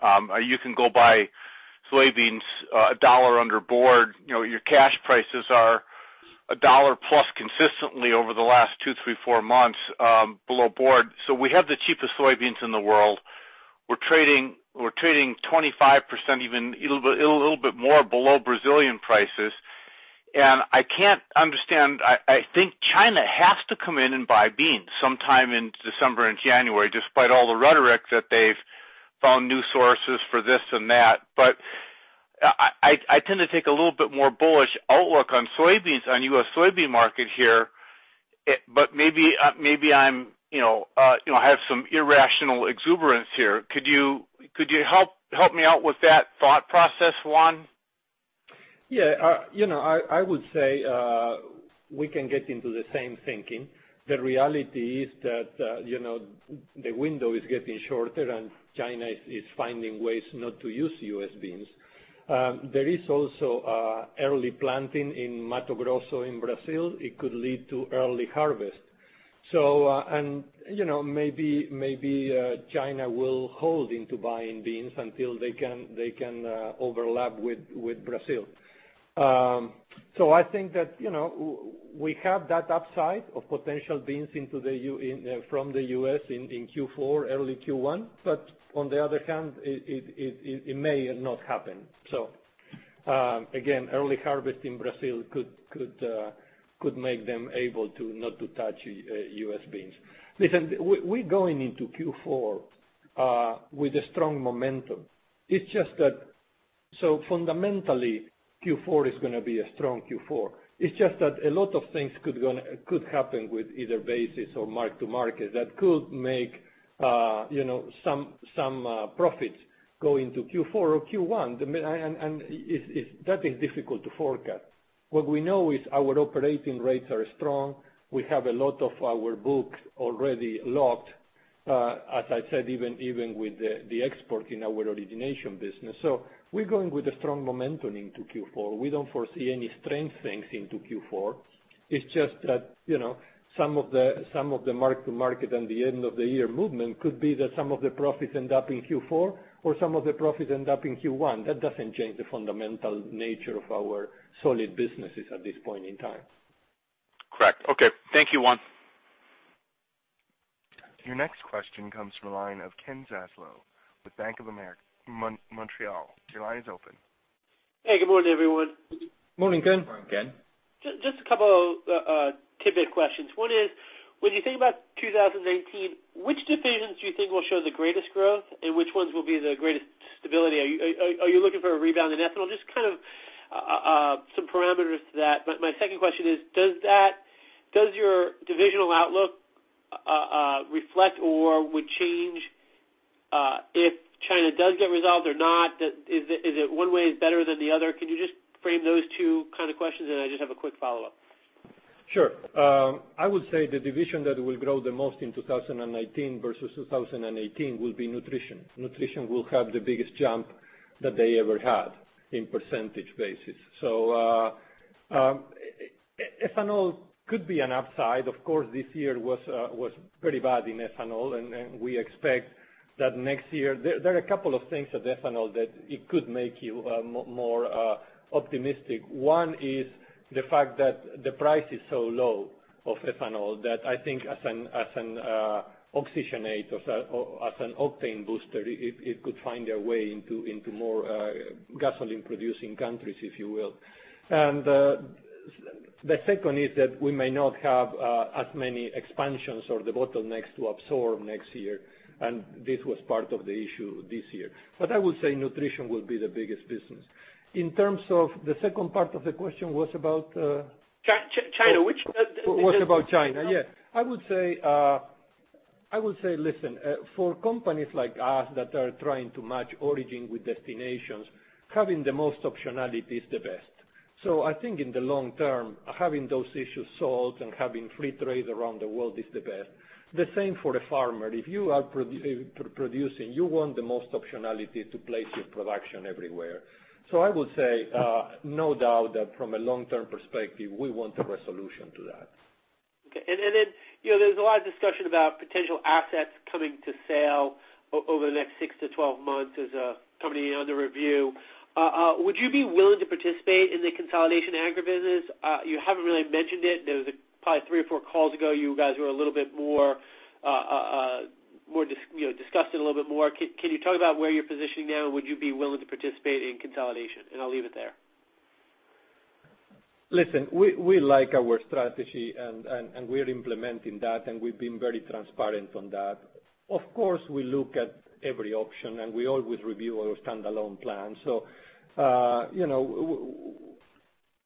You can go buy soybeans $1 under board. Your cash prices are $1+ consistently over the last two, three, four months below board. We have the cheapest soybeans in the world. We're trading 25%, even a little bit more below Brazilian prices. I can't understand. I think China has to come in and buy beans sometime in December and January, despite all the rhetoric that they've found new sources for this and that. I tend to take a little bit more bullish outlook on soybeans, on U.S. soybean market here. Maybe I have some irrational exuberance here. Could you help me out with that thought process, Juan? Yeah. I would say, we can get into the same thinking. The reality is that, the window is getting shorter. China is finding ways not to use U.S. beans. There is also early planting in Mato Grosso in Brazil. It could lead to early harvest. Maybe China will hold into buying beans until they can overlap with Brazil. I think that we have that upside of potential beans from the U.S. in Q4, early Q1, but on the other hand, it may not happen. Again, early harvest in Brazil could make them able to not to touch U.S. beans. Listen, we're going into Q4 with a strong momentum. Fundamentally, Q4 is going to be a strong Q4. It's just that a lot of things could happen with either basis or mark-to-market that could make some profits go into Q4 or Q1. That is difficult to forecast. What we know is our operating rates are strong. We have a lot of our book already locked, as I said, even with the export in our origination business. We're going with a strong momentum into Q4. We don't foresee any strange things into Q4. It's just that some of the mark-to-market and the end of the year movement could be that some of the profits end up in Q4 or some of the profits end up in Q1. That doesn't change the fundamental nature of our solid businesses at this point in time. Correct. Okay. Thank you, Juan. Your next question comes from the line of Ken Zaslow with Bank of Montreal. Your line is open. Hey, good morning, everyone. Morning, Ken. Morning, Ken. Just a couple tidbit questions. One is, when you think about 2019, which divisions do you think will show the greatest growth, and which ones will be the greatest stability? Are you looking for a rebound in ethanol? Just kind of some parameters to that. My second question is, does your divisional outlook reflect or would change if China does get resolved or not? Is it one way is better than the other? Can you just frame those two kind of questions, I just have a quick follow-up. Sure. I would say the division that will grow the most in 2019 versus 2018 will be Nutrition. Nutrition will have the biggest jump that they ever had in percentage basis. Ethanol could be an upside. Of course, this year was pretty bad in ethanol, we expect that next year there are a couple of things with ethanol that it could make you more optimistic. One is the fact that the price is so low of ethanol that I think as an oxygenate, as an octane booster, it could find a way into more gasoline-producing countries, if you will. The second is that we may not have as many expansions or the bottlenecks to absorb next year, and this was part of the issue this year. I would say Nutrition will be the biggest business. In terms of the second part of the question was about. China. Was about China. Yeah. I would say, listen, for companies like us that are trying to match origin with destinations, having the most optionality is the best. I think in the long term, having those issues solved and having free trade around the world is the best. The same for the farmer. If you are producing, you want the most optionality to place your production everywhere. I would say, no doubt that from a long-term perspective, we want a resolution to that. Okay. There's a lot of discussion about potential assets coming to sale over the next 6-12 months as a company under review. Would you be willing to participate in the consolidation agribusiness? You haven't really mentioned it. There was probably three or four calls ago, you guys discussed it a little bit more. Can you talk about where you're positioning now? Would you be willing to participate in consolidation? I'll leave it there. Listen, we like our strategy, we're implementing that, and we've been very transparent on that. Of course, we look at every option, we always review our standalone plan.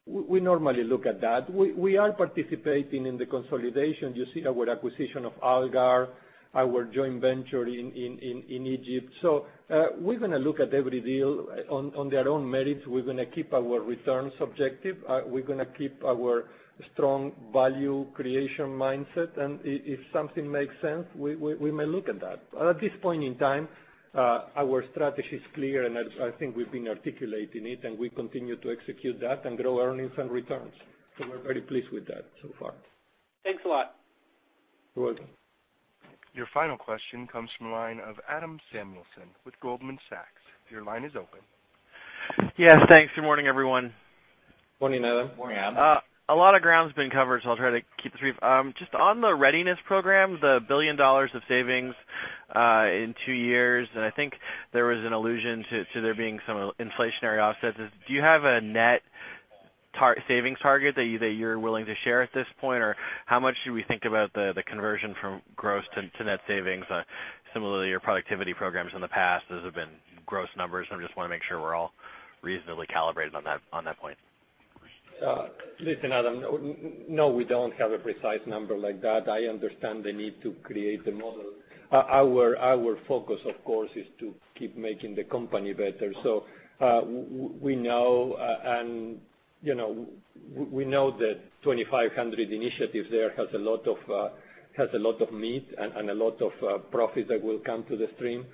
We normally look at that. We are participating in the consolidation. You see our acquisition of Algar, our joint venture in Egypt. We're going to look at every deal on their own merits. We're going to keep our returns objective. We're going to keep our strong value creation mindset, if something makes sense, we may look at that. At this point in time, our strategy is clear, I think we've been articulating it, we continue to execute that and grow earnings and returns. We're very pleased with that so far. Thanks a lot. You're welcome. Your final question comes from the line of Adam Samuelson with Goldman Sachs. Your line is open. Yes, thanks. Good morning, everyone. Morning, Adam. Morning, Adam. A lot of ground's been covered, I'll try to keep this brief. Just on the readiness program, the $1 billion of savings in two years, I think there was an allusion to there being some inflationary offsets. Do you have a net savings target that you're willing to share at this point, or how much should we think about the conversion from gross to net savings? Similarly, your productivity programs in the past, those have been gross numbers, and I just want to make sure we're all reasonably calibrated on that point. Listen, Adam, no, we don't have a precise number like that. I understand the need to create the model. Our focus, of course, is to keep making the company better. We know that 2,500 initiatives there has a lot of meat and a lot of profit that will come to the stream.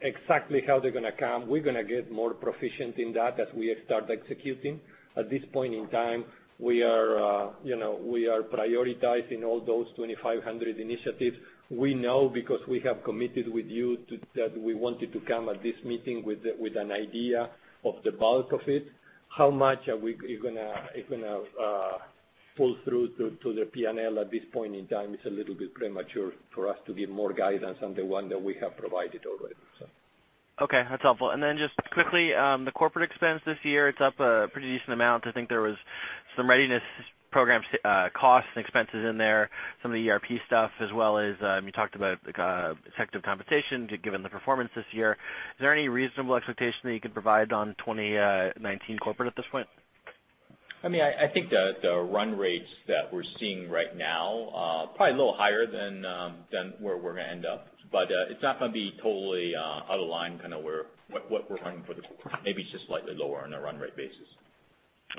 Exactly how they're going to come, we're going to get more proficient in that as we start executing. At this point in time, we are prioritizing all those 2,500 initiatives. We know because we have committed with you that we wanted to come at this meeting with an idea of the bulk of it. How much are we going to pull through to the P&L at this point in time is a little bit premature for us to give more guidance on the one that we have provided already. Okay, that's helpful. Just quickly, the corporate expense this year, it's up a pretty decent amount. I think there was some readiness programs, costs, and expenses in there, some of the ERP stuff, as well as, you talked about executive compensation, given the performance this year. Is there any reasonable expectation that you can provide on 2019 corporate at this point? I think the run rates that we're seeing right now, probably a little higher than where we're gonna end up. It's not gonna be totally out of line, what we're planning for the quarter. Maybe it's just slightly lower on a run rate basis.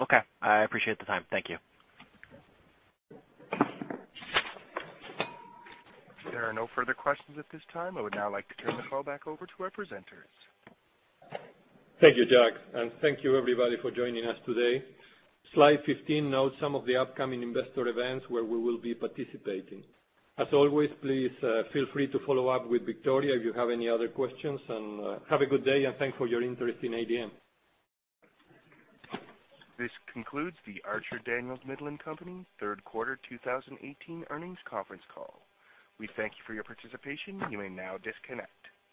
Okay. I appreciate the time. Thank you. There are no further questions at this time. I would now like to turn the call back over to our presenters. Thank you, Jack. Thank you, everybody, for joining us today. Slide 15 notes some of the upcoming investor events where we will be participating. As always, please feel free to follow up with Victoria if you have any other questions, and have a good day, and thanks for your interest in ADM. This concludes the Archer Daniels Midland Company Third Quarter 2018 Earnings Conference Call. We thank you for your participation. You may now disconnect.